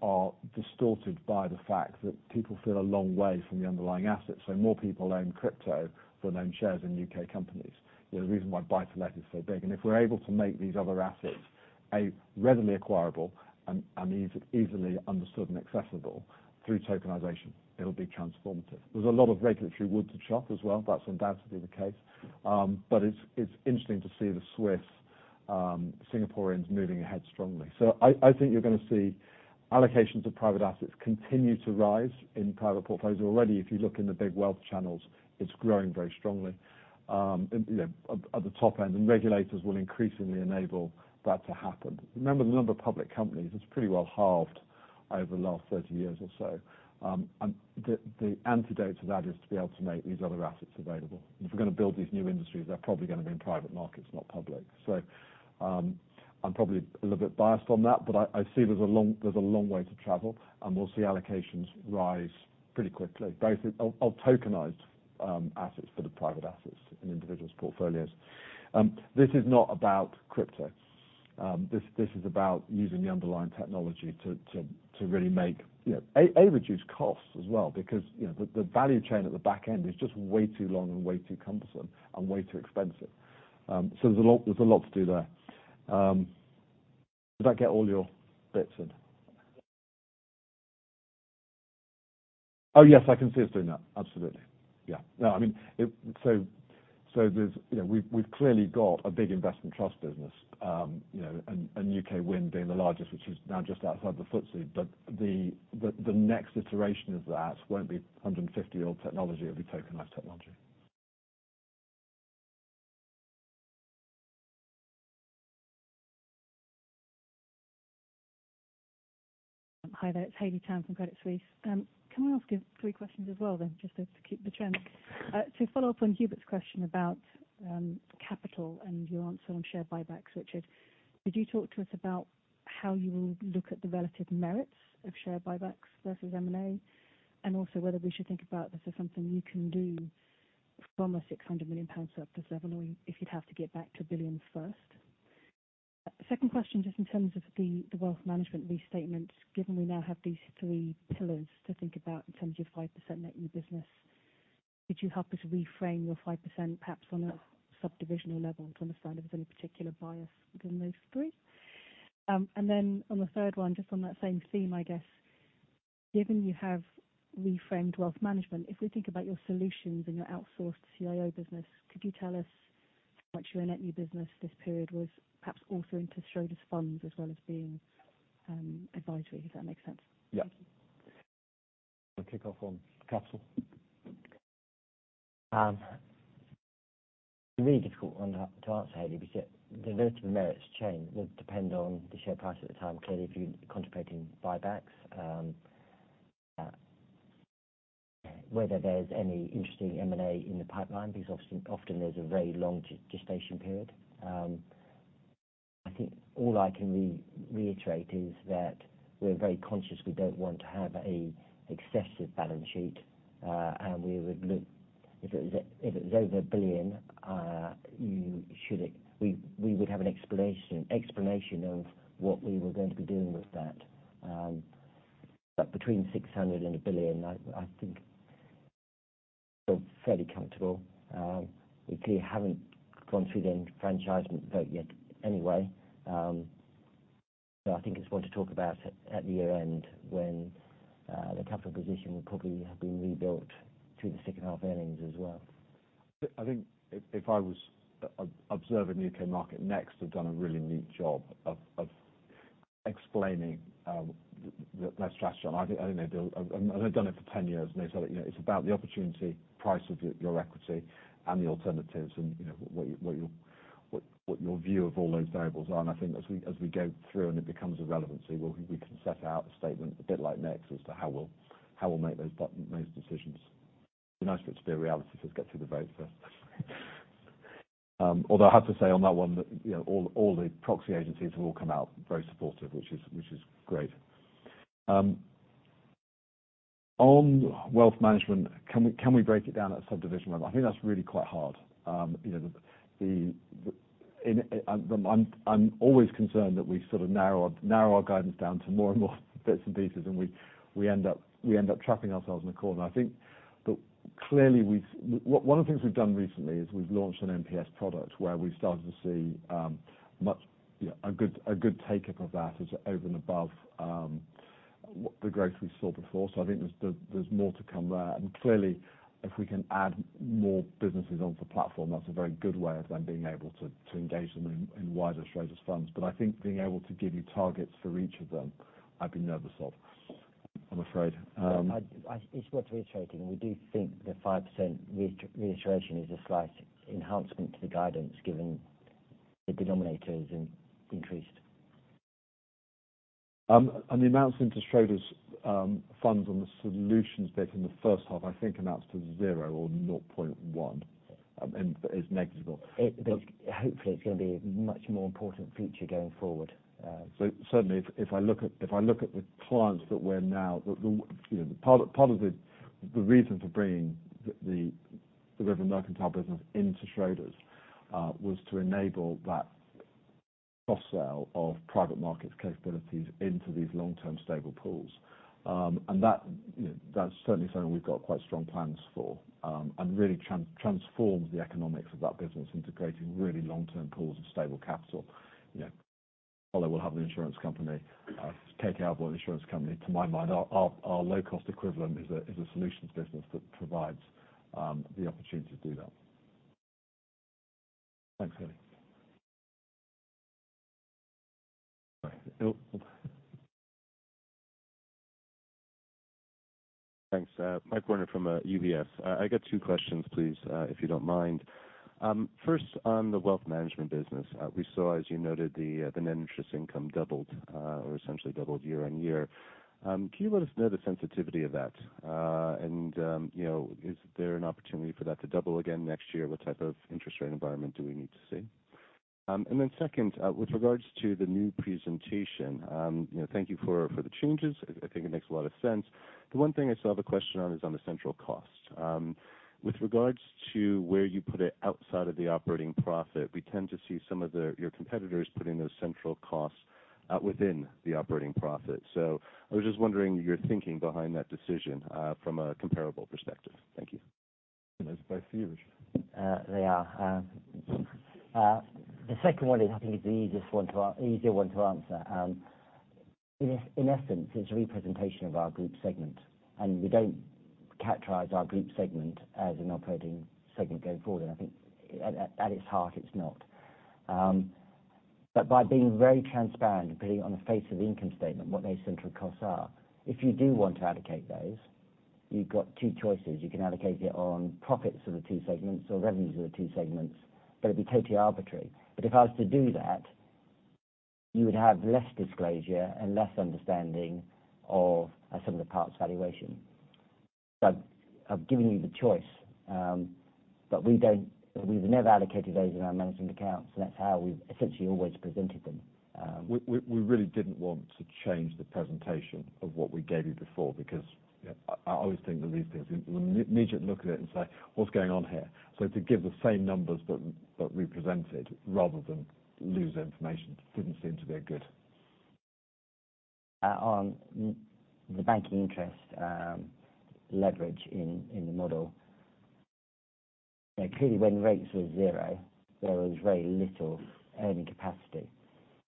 are distorted by the fact that people feel a long way from the underlying assets. More people own crypto than own shares in UK companies. The reason why buy to let is so big. If we're able to make these other assets readily acquirable and easily understood and accessible through tokenization, it'll be transformative. There's a lot of regulatory wood to chop as well. That's undoubtedly the case. It's interesting to see the Swiss, Singaporeans moving ahead strongly. I think you're gonna see allocations of private assets continue to rise in private portfolios. Already, if you look in the big wealth channels, it's growing very strongly, you know, at the top end, and regulators will increasingly enable that to happen. Remember the number of public companies, it's pretty well halved over the last 30 years or so. The antidote to that is to be able to make these other assets available. If we're gonna build these new industries, they're probably gonna be in private markets, not public. I'm probably a little bit biased on that, but I see there's a long way to travel, and we'll see allocations rise pretty quickly, both of tokenized assets for the private assets in individuals' portfolios. This is not about crypto. This is about using the underlying technology to really make. Reduce costs as well, because, the value chain at the back end is just way too long and way too cumbersome and way too expensive. There's a lot to do there. Did that get all your bits in? Oh, yes, I can see us doing that. Absolutely. Yeah. No, I mean. There's, we've clearly got a big investment trust business, you know, and UK Wind being the largest, which is now just outside the FTSE. The next iteration of that won't be 150-year-old technology. It'll be tokenized technology. Hi there. It's Haley Tam from Credit Suisse. Can I ask you three questions as well then, just to keep the trend? To follow up on Hubert's question about capital and your answer on share buybacks, Richard, could you talk to us about how you will look at the relative merits of share buybacks versus M&A? Also whether we should think about this as something you can do from a 600 million pound surplus level, or if you'd have to get back to billions first? Second question, just in terms of the wealth management restatements, given we now have these three pillars to think about in terms of your 5% net new business, could you help us reframe your 5% perhaps on a subdivision or level to understand if there's any particular bias within those three? On the third one, just on that same theme, I guess, given you have reframed wealth management, if we think about your solutions and your outsourced CIO business, could you tell us how much your net new business this period was perhaps also into Schroders funds as well as being advisory? Does that make sense? Yeah. Thank you. I'm gonna kick off on capital. Really difficult one to answer, Haley, because the relative merits change. It would depend on the share price at the time. Clearly, if you're contemplating buybacks, whether there's any interesting M&A in the pipeline, because often there's a very long gestation period. I think all I can reiterate is that we're very conscious we don't want to have an excessive balance sheet. We would look. If it was over 1 billion, we would have an explanation of what we were going to be doing with that. Between 600 million and 1 billion, I think we're fairly comfortable. We clearly haven't gone through the enfranchisement vote yet anyway. I think it's one to talk about at year-end when the capital position will probably have been rebuilt to the second half earnings as well. I think if I was observing U.K. market, Next have done a really neat job of explaining their strategy. I think they, you know, they've done it for 10 years, and they say that, you know, it's about the opportunity price of your equity and the alternatives and, you know, what your view of all those variables are. I think as we go through and it becomes of relevancy, we can set out a statement a bit like Next as to how we'll make those betting decisions. It'd be nice for it to be a reality. Let's get through the vote first. Although I have to say on that one that, you know, all the proxy agencies have come out very supportive, which is great. On wealth management, can we break it down at a subdivision level? I think that's really quite hard. You know, the thing is, I'm always concerned that we sort of narrow our guidance down to more and more bits and pieces, and we end up trapping ourselves in a corner. I think that clearly, one of the things we've done recently is we've launched an MPS product where we've started to see, much you know, a good take-up of that as over and above the growth we saw before. I think there's more to come there. Clearly, if we can add more businesses onto the platform, that's a very good way of then being able to engage them in wider Schroders funds. I think being able to give you targets for each of them, I'd be nervous of, I'm afraid. Yeah. It's worth reiterating, we do think the 5% reiteration is a slight enhancement to the guidance given the denominator has increased. The amounts into Schroders' funds on the solutions bit in the first half, I think announced as 0.1 billion, and is negligible. Hopefully it's gonna be a much more important feature going forward. Certainly if I look at the clients that we're now. The part of the reason for bringing the River and Mercantile business into Schroders was to enable that cross-sale of private markets capabilities into these long-term stable pools. That's certainly something we've got quite strong plans for, and really transforms the economics of that business into creating really long-term pools of stable capital. You know, although we'll have an insurance company, take our insurance company, to my mind, our low-cost equivalent is a solutions business that provides the opportunity to do that. Thanks, Haley. Bye. Oh. Thanks. Michael Werner from UBS. I got two questions, please, if you don't mind. First on the wealth management business. We saw, as you noted, the net interest income doubled, or essentially doubled year-on-year. Can you let us know the sensitivity of that? And, you know, is there an opportunity for that to double again next year? What type of interest rate environment do we need to see? And then second, with regards to the new presentation, you know, thank you for the changes. I think it makes a lot of sense. The one thing I still have a question on is on the central costs. With regards to where you put it outside of the operating profit, we tend to see some of your competitors putting those central costs within the operating profit. I was just wondering your thinking behind that decision from a comparable perspective. Thank you. Those are both for you, Richard. They are. The second one is, I think, the easiest one to answer. In essence, it's a representation of our group segment. We don't characterize our group segment as an operating segment going forward. I think at its heart, it's not. By being very transparent and putting it on the face of the income statement, what those central costs are, if you do want to allocate those, you've got two choices. You can allocate it on profits of the two segments or revenues of the two segments, but it'd be totally arbitrary. If I was to do that, you would have less disclosure and less understanding of some of the parts valuation. I've given you the choice, but we don't, we've never allocated those in our management accounts, and that's how we've essentially always presented them. We really didn't want to change the presentation of what we gave you before because, I always think with these things, you immediately look at it and say, "What's going on here?" To give the same numbers that we presented rather than lose information didn't seem to be a good On the banking interest, leverage in the model. Yeah, clearly when rates were zero, there was very little earning capacity.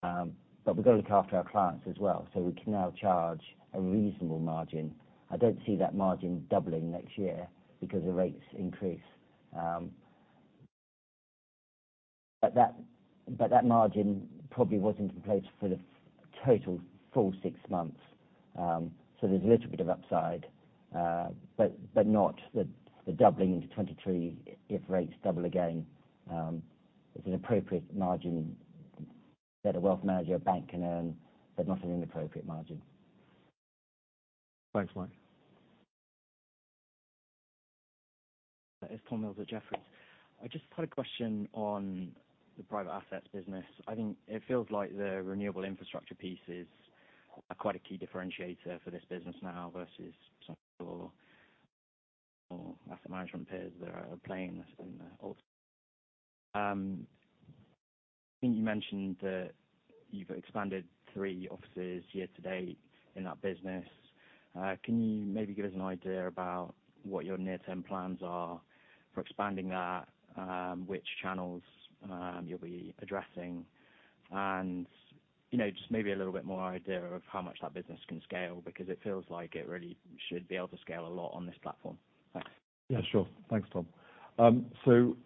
We've gotta look after our clients as well, so we can now charge a reasonable margin. I don't see that margin doubling next year because the rates increase. That margin probably wasn't in place for the total full six months. There's a little bit of upside, but not the doubling into 2022 if rates double again. It's an appropriate margin that a wealth manager or bank can earn, but not an inappropriate margin. Thanks, Mike. It's Tom Mills at Jefferies. I just had a question on the private assets business. I think it feels like the renewable infrastructure piece is quite a key differentiator for this business now versus some of your asset management peers that are playing in the alt. I think you mentioned that you've expanded 3 offices year to date in that business. Can you maybe give us an idea about what your near-term plans are for expanding that? Which channels you'll be addressing? You know, just maybe a little bit more idea of how much that business can scale, because it feels like it really should be able to scale a lot on this platform. Thanks. Yeah, sure. Thanks, Tom. So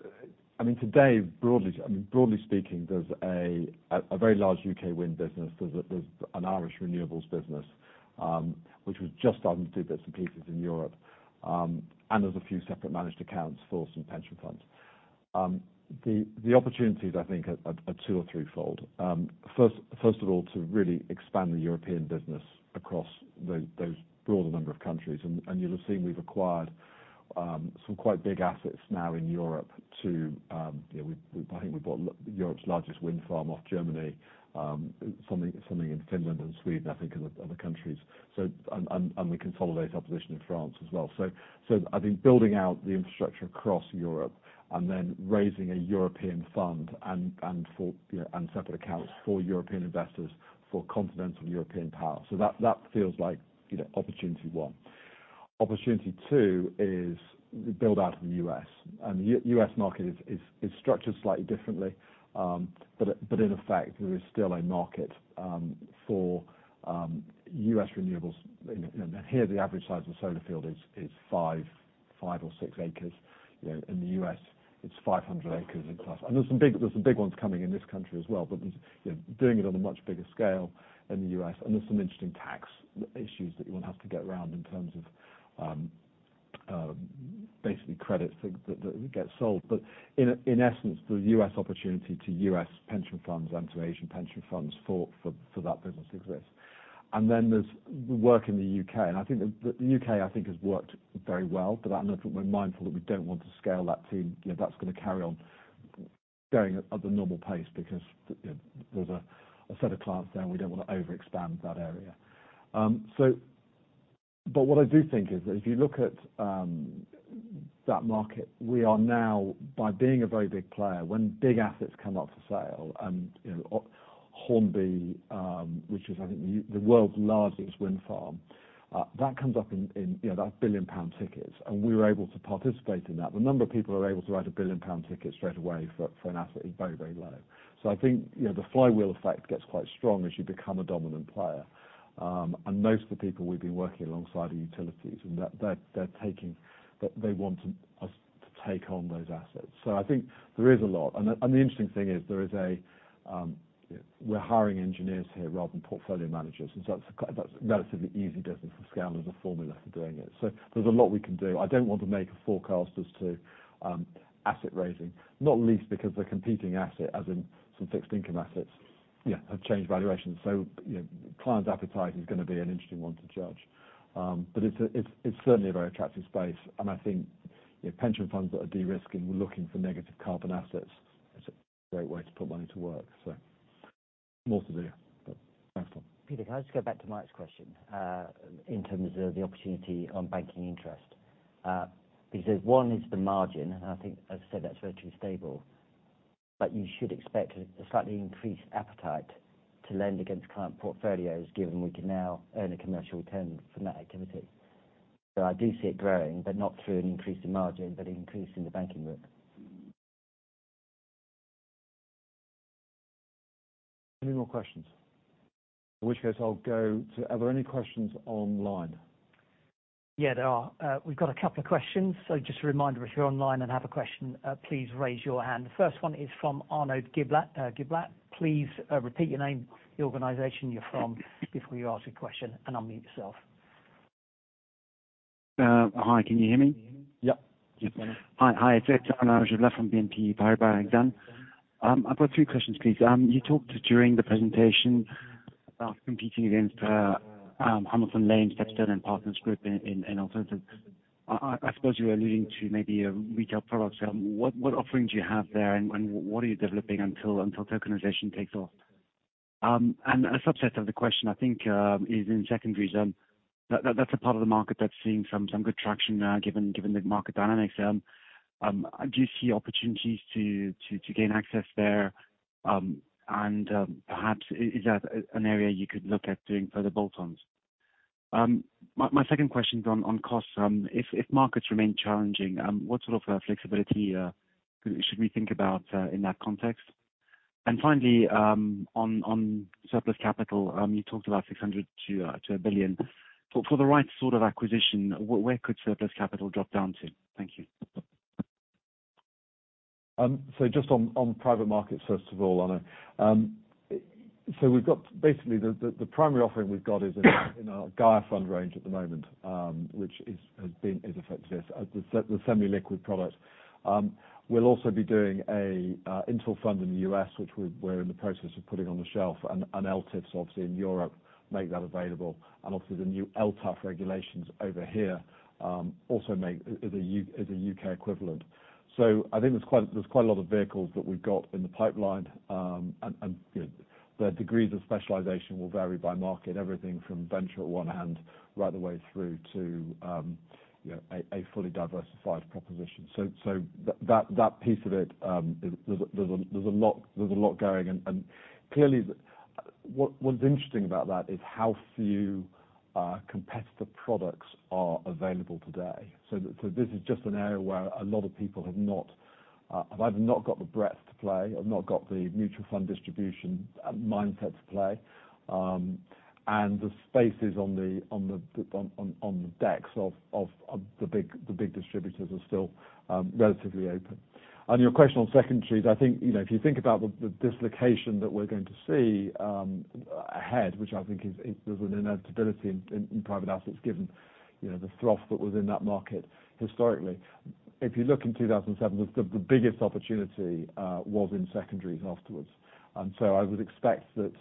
I mean, today, broadly speaking, there's a very large UK wind business. There's an Irish renewables business, which was just starting to do bits and pieces in Europe, and there's a few separate managed accounts for some pension funds. The opportunities, I think, are two or threefold. First of all, to really expand the European business across those broader number of countries. You'll have seen we've acquired some quite big assets now in Europe to, I think we bought Europe's largest wind farm off Germany, something in Finland and Sweden, I think and other countries. So we consolidate our position in France as well. I think building out the infrastructure across Europe and then raising a European fund and separate accounts for European investors, for continental European power. That feels like, opportunity one. Opportunity two is build out in the U.S. U.S. market is structured slightly differently. But in effect, there is still a market for U.S. renewables. You know, and here, the average size of solar field is five or six acres. You know, in the U.S., it's 500 acres and plus. There are some big ones coming in this country as well. You know, doing it on a much bigger scale in the U.S., and there are some interesting tax issues that one has to get around in terms of basically credits that gets sold. In essence, the U.S. opportunity to U.S. pension funds and to Asian pension funds for that business exists. There's the work in the U.K. I think the U.K. has worked very well. That and we're mindful that we don't want to scale that team. You know, that's gonna carry on going at the normal pace because there's a set of clients there, and we don't wanna overexpand that area. What I do think is that if you look at that market, we are now by being a very big player, when big assets come up for sale, and, Hornsea, which is, I think, the world's largest wind farm, that comes up in, that 1 billion-pound tickets, and we were able to participate in that. The number of people who are able to write a 1 billion pound ticket straight away for an asset is very, very low. I think, the flywheel effect gets quite strong as you become a dominant player. Most of the people we've been working alongside are utilities, and they want us to take on those assets. I think there is a lot. The interesting thing is we're hiring engineers here rather than portfolio managers. That's a relatively easy business to scale. There's a formula for doing it. There's a lot we can do. I don't want to make a forecast as to asset raising, not least because the competing asset, as in some fixed income assets, yeah, have changed valuations. Clients' appetite is gonna be an interesting one to judge. It's certainly a very attractive space. I think, you know, pension funds that are de-risking, we're looking for negative carbon assets. It's a great way to put money to work. More to do. Thanks, Tom. Peter, can I just go back to Mike's question, in terms of the opportunity on banking interest? Because one is the margin, and I think, as I said, that's virtually stable. You should expect a slightly increased appetite to lend against client portfolios, given we can now earn a commercial return from that activity. I do see it growing, but not through an increase in margin, but an increase in the banking book. Any more questions? In which case, I'll go to. Are there any questions online? Yeah, there are. We've got a couple of questions. Just a reminder, if you're online and have a question, please raise your hand. The first one is from Arnaud Giblat. Giblat, please, repeat your name, the organization you're from before you ask a question, and unmute yourself. Hi, can you hear me? Yeah. Hi. Hi, it's Arnaud Giblat from BNP Paribas Exane. I've got two questions, please. You talked during the presentation about competing against Hamilton Lane, StepStone and Partners Group in alternatives. I suppose you're alluding to maybe your retail products. What offerings you have there, and what are you developing until tokenization takes off? And a subset of the question, I think, is in secondaries. That's a part of the market that's seeing some good traction now, given the market dynamics. Do you see opportunities to gain access there? And perhaps is that an area you could look at doing further bolt-ons? My second question is on costs. If markets remain challenging, what sort of flexibility should we think about in that context? Finally, on surplus capital, you talked about 600 million to 1 billion. For the right sort of acquisition, where could surplus capital drop down to? Thank you. Just on private markets, first of all, Ana. We've got basically the primary offering we've got is in our GAIA fund range at the moment, which is effectively the semi-liquid product. We'll also be doing an interval fund in the U.S., which we're in the process of putting on the shelf, and ELTIFs obviously in Europe make that available. Obviously the new LTAF regulations over here also make it a U.K. equivalent. I think there's quite a lot of vehicles that we've got in the pipeline. You know, the degrees of specialization will vary by market. Everything from venture at one end right the way through to a fully diversified proposition. That piece of it, there's a lot going. Clearly what's interesting about that is how few competitor products are available today. This is just an area where a lot of people have either not got the breadth to play, have not got the mutual fund distribution mindset to play. The spaces on the decks of the big distributors are still relatively open. On your question on secondaries, I think, if you think about the dislocation that we're going to see ahead, which I think is an inevitability in private assets, given, the froth that was in that market historically. If you look in 2007, the biggest opportunity was in secondaries afterwards. I would expect that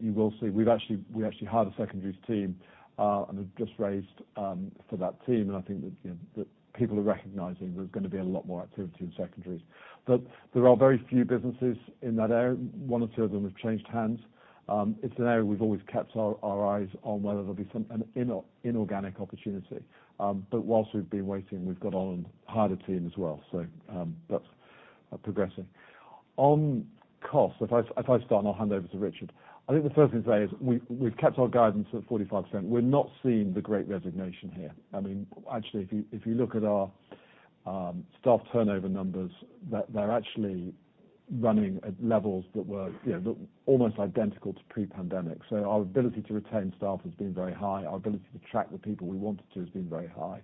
you will see we've actually hired a secondaries team and have just raised for that team. I think that, you know, people are recognizing there's gonna be a lot more activity in secondaries. There are very few businesses in that area. One or two of them have changed hands. It's an area we've always kept our eyes on whether there'll be some inorganic opportunity. While we've been waiting, we've got on and hired a team as well. That's progressing. On costs, if I start and I'll hand over to Richard. I think the first thing to say is we've kept our guidance at 45%. We're not seeing the great resignation here. I mean, actually, if you look at our staff turnover numbers, they're actually running at levels that were, you know, almost identical to pre-pandemic. Our ability to retain staff has been very high. Our ability to attract the people we wanted to has been very high.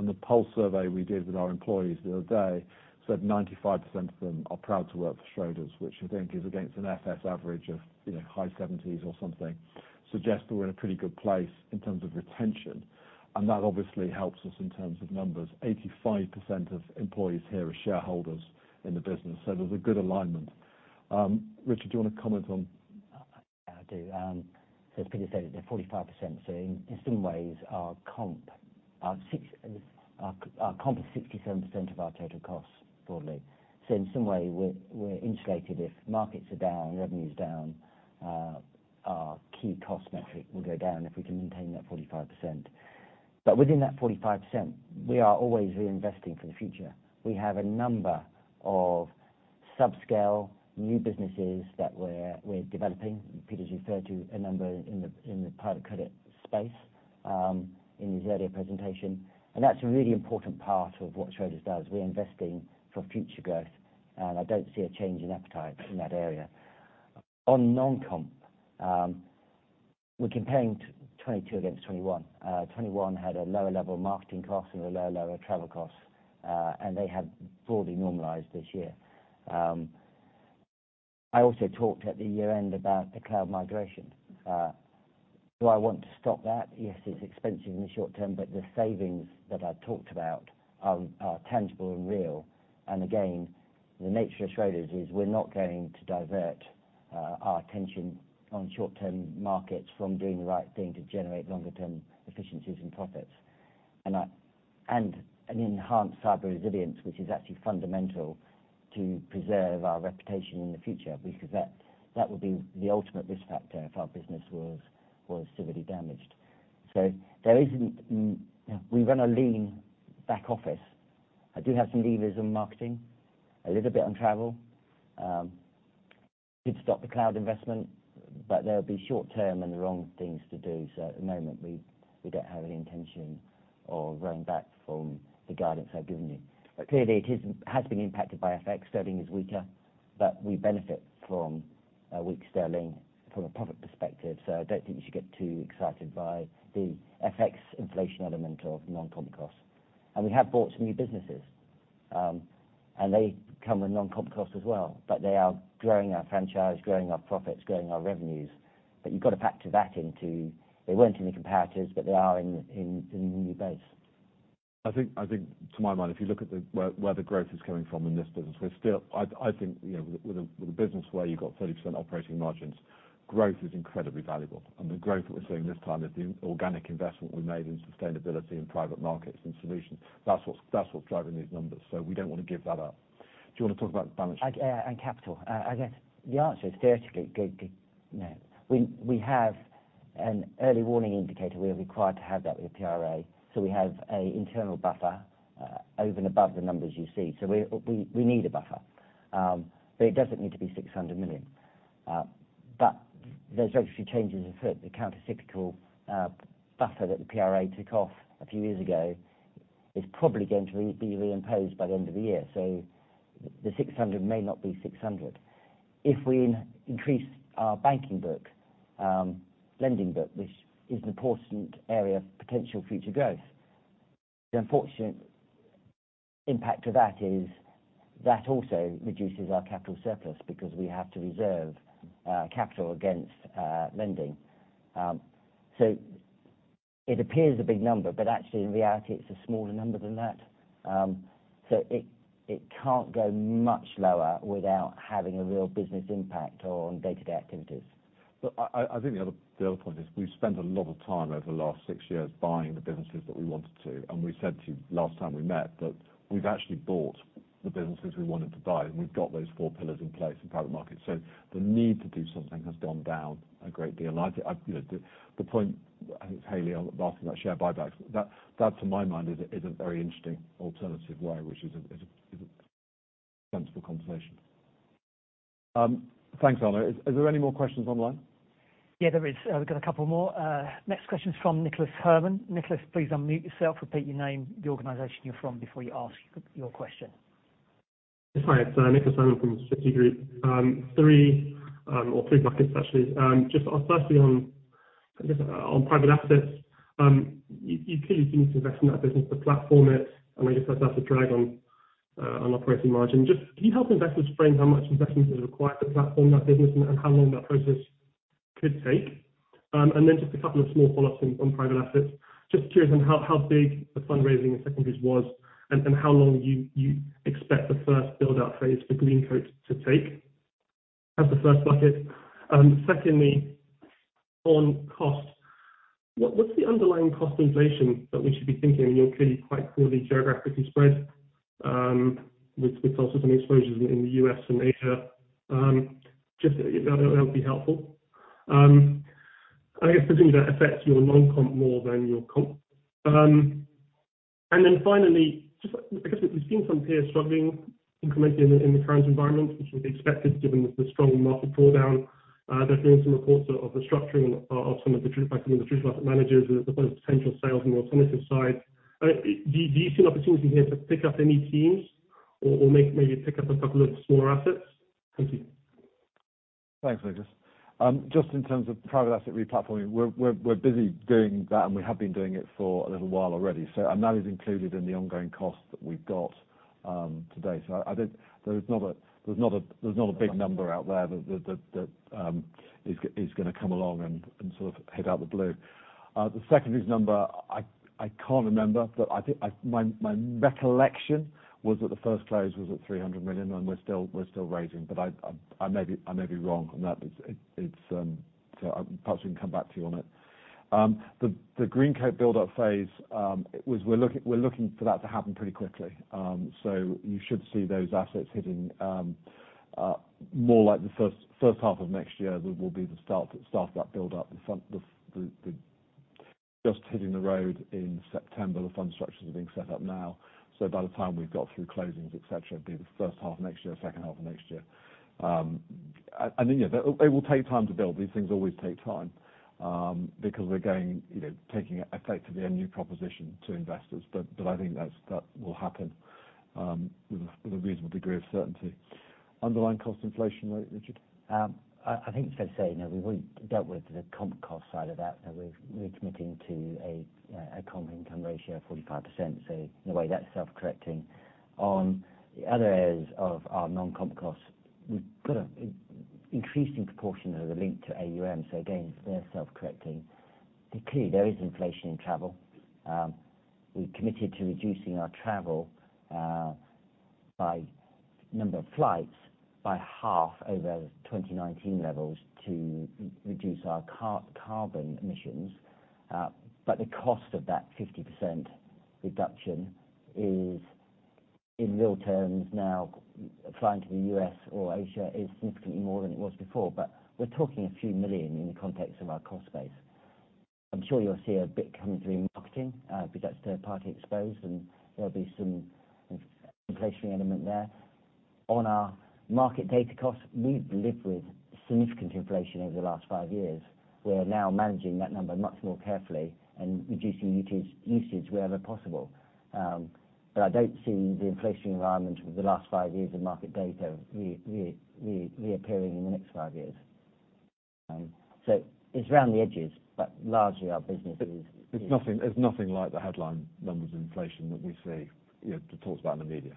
The pulse survey we did with our employees the other day said 95% of them are proud to work for Schroders, which I think is against an FS average of, you know, high seventies or something, suggests that we're in a pretty good place in terms of retention. That obviously helps us in terms of numbers. 85% of employees here are shareholders in the business. So there's a good alignment. Richard, do you want to comment on? Yeah, I do. As Peter said, at the 45%, in some ways our comp is 67% of our total costs broadly. In some way, we're insulated if markets are down, revenue's down, our key cost metric will go down if we can maintain that 45%. Within that 45%, we are always reinvesting for the future. We have a number of subscale new businesses that we're developing. Peter's referred to a number in the private credit space in his earlier presentation, and that's a really important part of what Schroders does. We're investing for future growth, and I don't see a change in appetite in that area. On non-compensation, we're comparing 2022 against 2021. 2021 had a lower level of marketing costs and lower travel costs, and they have broadly normalized this year. I also talked at the year end about the cloud migration. Do I want to stop that? Yes, it's expensive in the short term, but the savings that I talked about are tangible and real. Again, the nature of Schroders is we're not going to divert our attention on short-term markets from doing the right thing to generate longer-term efficiencies and profits. An enhanced cyber resilience, which is actually fundamental to preserve our reputation in the future, because that would be the ultimate risk factor if our business was severely damaged. There isn't. We run a lean back office. I do have some levers on marketing, a little bit on travel. Could stop the cloud investment, but they'll be short term and the wrong things to do. At the moment, we don't have any intention of rowing back from the guidance I've given you. Clearly it is, has been impacted by FX. Sterling is weaker, but we benefit from a weak sterling from a profit perspective. I don't think you should get too excited by the FX inflation element of non-comp costs. We have bought some new businesses, and they come with non-compensation costs as well, but they are growing our franchise, growing our profits, growing our revenues. You've got to factor that into they weren't in the comparators, but they are in the new base. I think to my mind, if you look at where the growth is coming from in this business, with a business where you've got 30% operating margins, growth is incredibly valuable. The growth that we're seeing this time is the organic investment we made in sustainability and private markets and solutions. That's what's driving these numbers. We don't want to give that up. Do you want to talk about balance sheet? Capital. I guess the answer is theoretically you know, we have an early warning indicator. We are required to have that with the PRA. We have an internal buffer over and above the numbers you see. We need a buffer. It doesn't need to be 600 million. There's regulatory changes afoot. The countercyclical buffer that the PRA took off a few years ago is probably going to be reimposed by the end of the year. The 600 million level may not be the appropriate benchmark going forward. If we increase our banking book, lending book, which is an important area of potential future growth, the unfortunate impact of that is that also reduces our capital surplus because we have to reserve capital against lending. It appears a big number, but actually in reality it's a smaller number than that. It can't go much lower without having a real business impact on day-to-day activities. I think the other point is we've spent a lot of time over the last six years buying the businesses that we wanted to, and we said to you last time we met that we've actually bought the businesses we wanted to buy, and we've got those four pillars in place in private markets. So the need to do something has gone down a great deal. I think the point, I think it's Haley asking about share buybacks, that to my mind is a very interesting alternative way, which is a sensible conversation. Thanks, Arno. Is there any more questions online? Yeah, there is. We've got a couple more. Next question is from Nicholas Herman. Nicholas, please unmute yourself. Repeat your name, the organization you're from before you ask your question. Yes. Hi, it's Nicholas Herman from Citigroup. Three or three buckets actually. Just firstly on, I guess, on private assets. You clearly continue to invest in that business to platform it, and I guess that's a drag on operating margin. Just can you help investors frame how much investment is required to platform that business and how long that process could take? And then just a couple of small follow-ups on private assets. Just curious on how big the fundraising in secondaries was and how long you expect the first build-out phase for Greencoat to take. That's the first bucket. Secondly, on cost, what's the underlying cost inflation that we should be thinking? You're clearly quite poorly geographically spread, with also some exposures in the U.S. and Asia. Just that would be helpful. I guess presumably that affects your non-core more than your core. Finally, just I guess we've seen some peers struggling incrementally in the current environment, which would be expected given the strong market downturn. There's been some reports of the restructuring of some of the private and traditional asset managers with the potential sales on the alternative side. Do you see an opportunity here to pick up any teams or maybe pick up a couple of smaller assets? Thank you. Thanks, Nicholas. Just in terms of private asset replatforming, we're busy doing that, and we have been doing it for a little while already. That is included in the ongoing costs that we've got today. I don't think there's a big number out there that is gonna come along and sort of hit out of the blue. The second is number. I can't remember, but I think my recollection was that the first close was at 300 million, and we're still raising. I may be wrong on that. Perhaps we can come back to you on it. The Greencoat build-up phase, we're looking for that to happen pretty quickly. You should see those assets hitting more like the first half of next year will be the start of that build-up. The fund just hitting the road in September. The fund structures are being set up now. By the time we've got through closings, et cetera, it'd be the first half of next year, second half of next year. They will take time to build. These things always take time because we're going, taking effectively a new proposition to investors. I think that will happen with a reasonable degree of certainty. Underlying cost inflation rate, Richard? I think it's fair to say, we've already dealt with the comp cost side of that. We're committing to a comp income ratio of 45%. In a way that's self-correcting. On the other areas of our non-comp costs, we've got an increasing proportion of the link to AUM. Again, they're self-correcting. Clearly, there is inflation in travel. We've committed to reducing our travel by number of flights by half over 2019 levels to reduce our carbon emissions. The cost of that 50% reduction is in real terms now flying to the U.S. or Asia is significantly more than it was before. We're talking a few million GBP in the context of our cost base. I'm sure you'll see a bit coming through in marketing, because that's third party exposed, and there'll be some inflationary element there. On our market data costs, we've lived with significant inflation over the last five years. We are now managing that number much more carefully and reducing usage wherever possible. I don't see the inflationary environment with the last five years of market data reappearing in the next five years. It's around the edges, but largely our business is. There's nothing like the headline numbers of inflation that we see, you know, talked about in the media.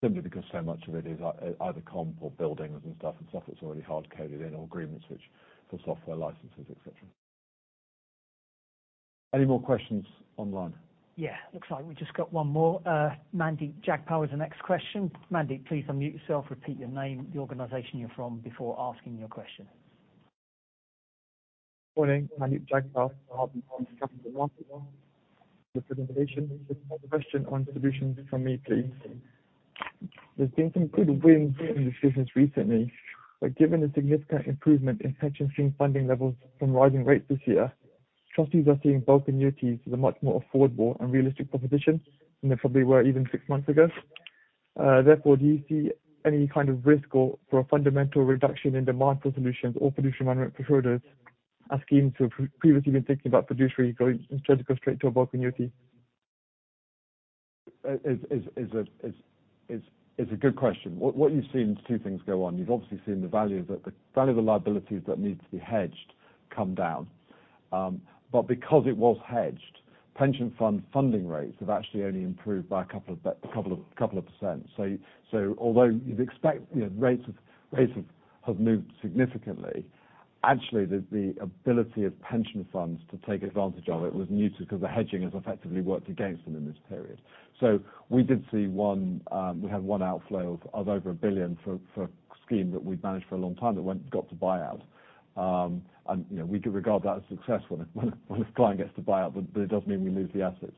Simply because so much of it is either comp or buildings and stuff, and stuff that's already hard coded in or agreements which, for software licenses, et cetera. Any more questions online? Yeah. Looks like we just got one more. Mandeep Jagpal with the next question. Mandeep, please unmute yourself, repeat your name, the organization you're from before asking your question. Morning. Mandeep Jagpal from RBC Capital Markets. Good presentation. Just one question on solutions from me, please. There's been some good wins in this business recently, but given the significant improvement in pension scheme funding levels from rising rates this year, trustees are seeing bulk annuities as a much more affordable and realistic proposition than they probably were even six months ago. Therefore, do you see any kind of risk of a fundamental reduction in demand for solutions or fiduciary management particularly as schemes who've previously been thinking about fiduciary instead to go straight to a bulk annuity? It is a good question. What you've seen is two things go on. You've obviously seen the value of the liabilities that need to be hedged come down. Because it was hedged, pension fund funding rates have actually only improved by a couple of %. Although you'd expect, you know, rates have moved significantly, actually the ability of pension funds to take advantage of it was muted because the hedging has effectively worked against them in this period. We did see one, we had one outflow of over 1 billion for a scheme that we'd managed for a long time that got to buy out. You know, we could regard that as successful when a client gets to buy out, but it does mean we lose the assets.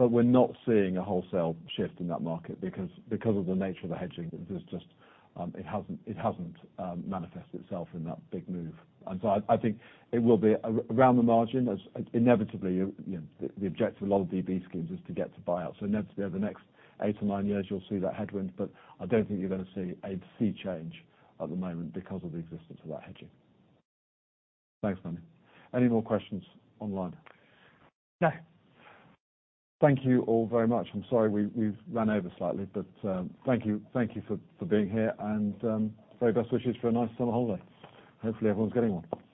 We're not seeing a wholesale shift in that market because of the nature of the hedging. There's just it hasn't manifested itself in that big move. I think it will be around the margin as inevitably, you know, the objective of a lot of DB schemes is to get to buy out. Inevitably over the next eight or nine years you'll see that headwind. I don't think you're gonna see a sea change at the moment because of the existence of that hedging. Thanks, Mandeep. Any more questions online? No. Thank you all very much. I'm sorry we've run over slightly, but thank you for being here and very best wishes for a nice summer holiday. Hopefully, everyone's getting one. Thank you.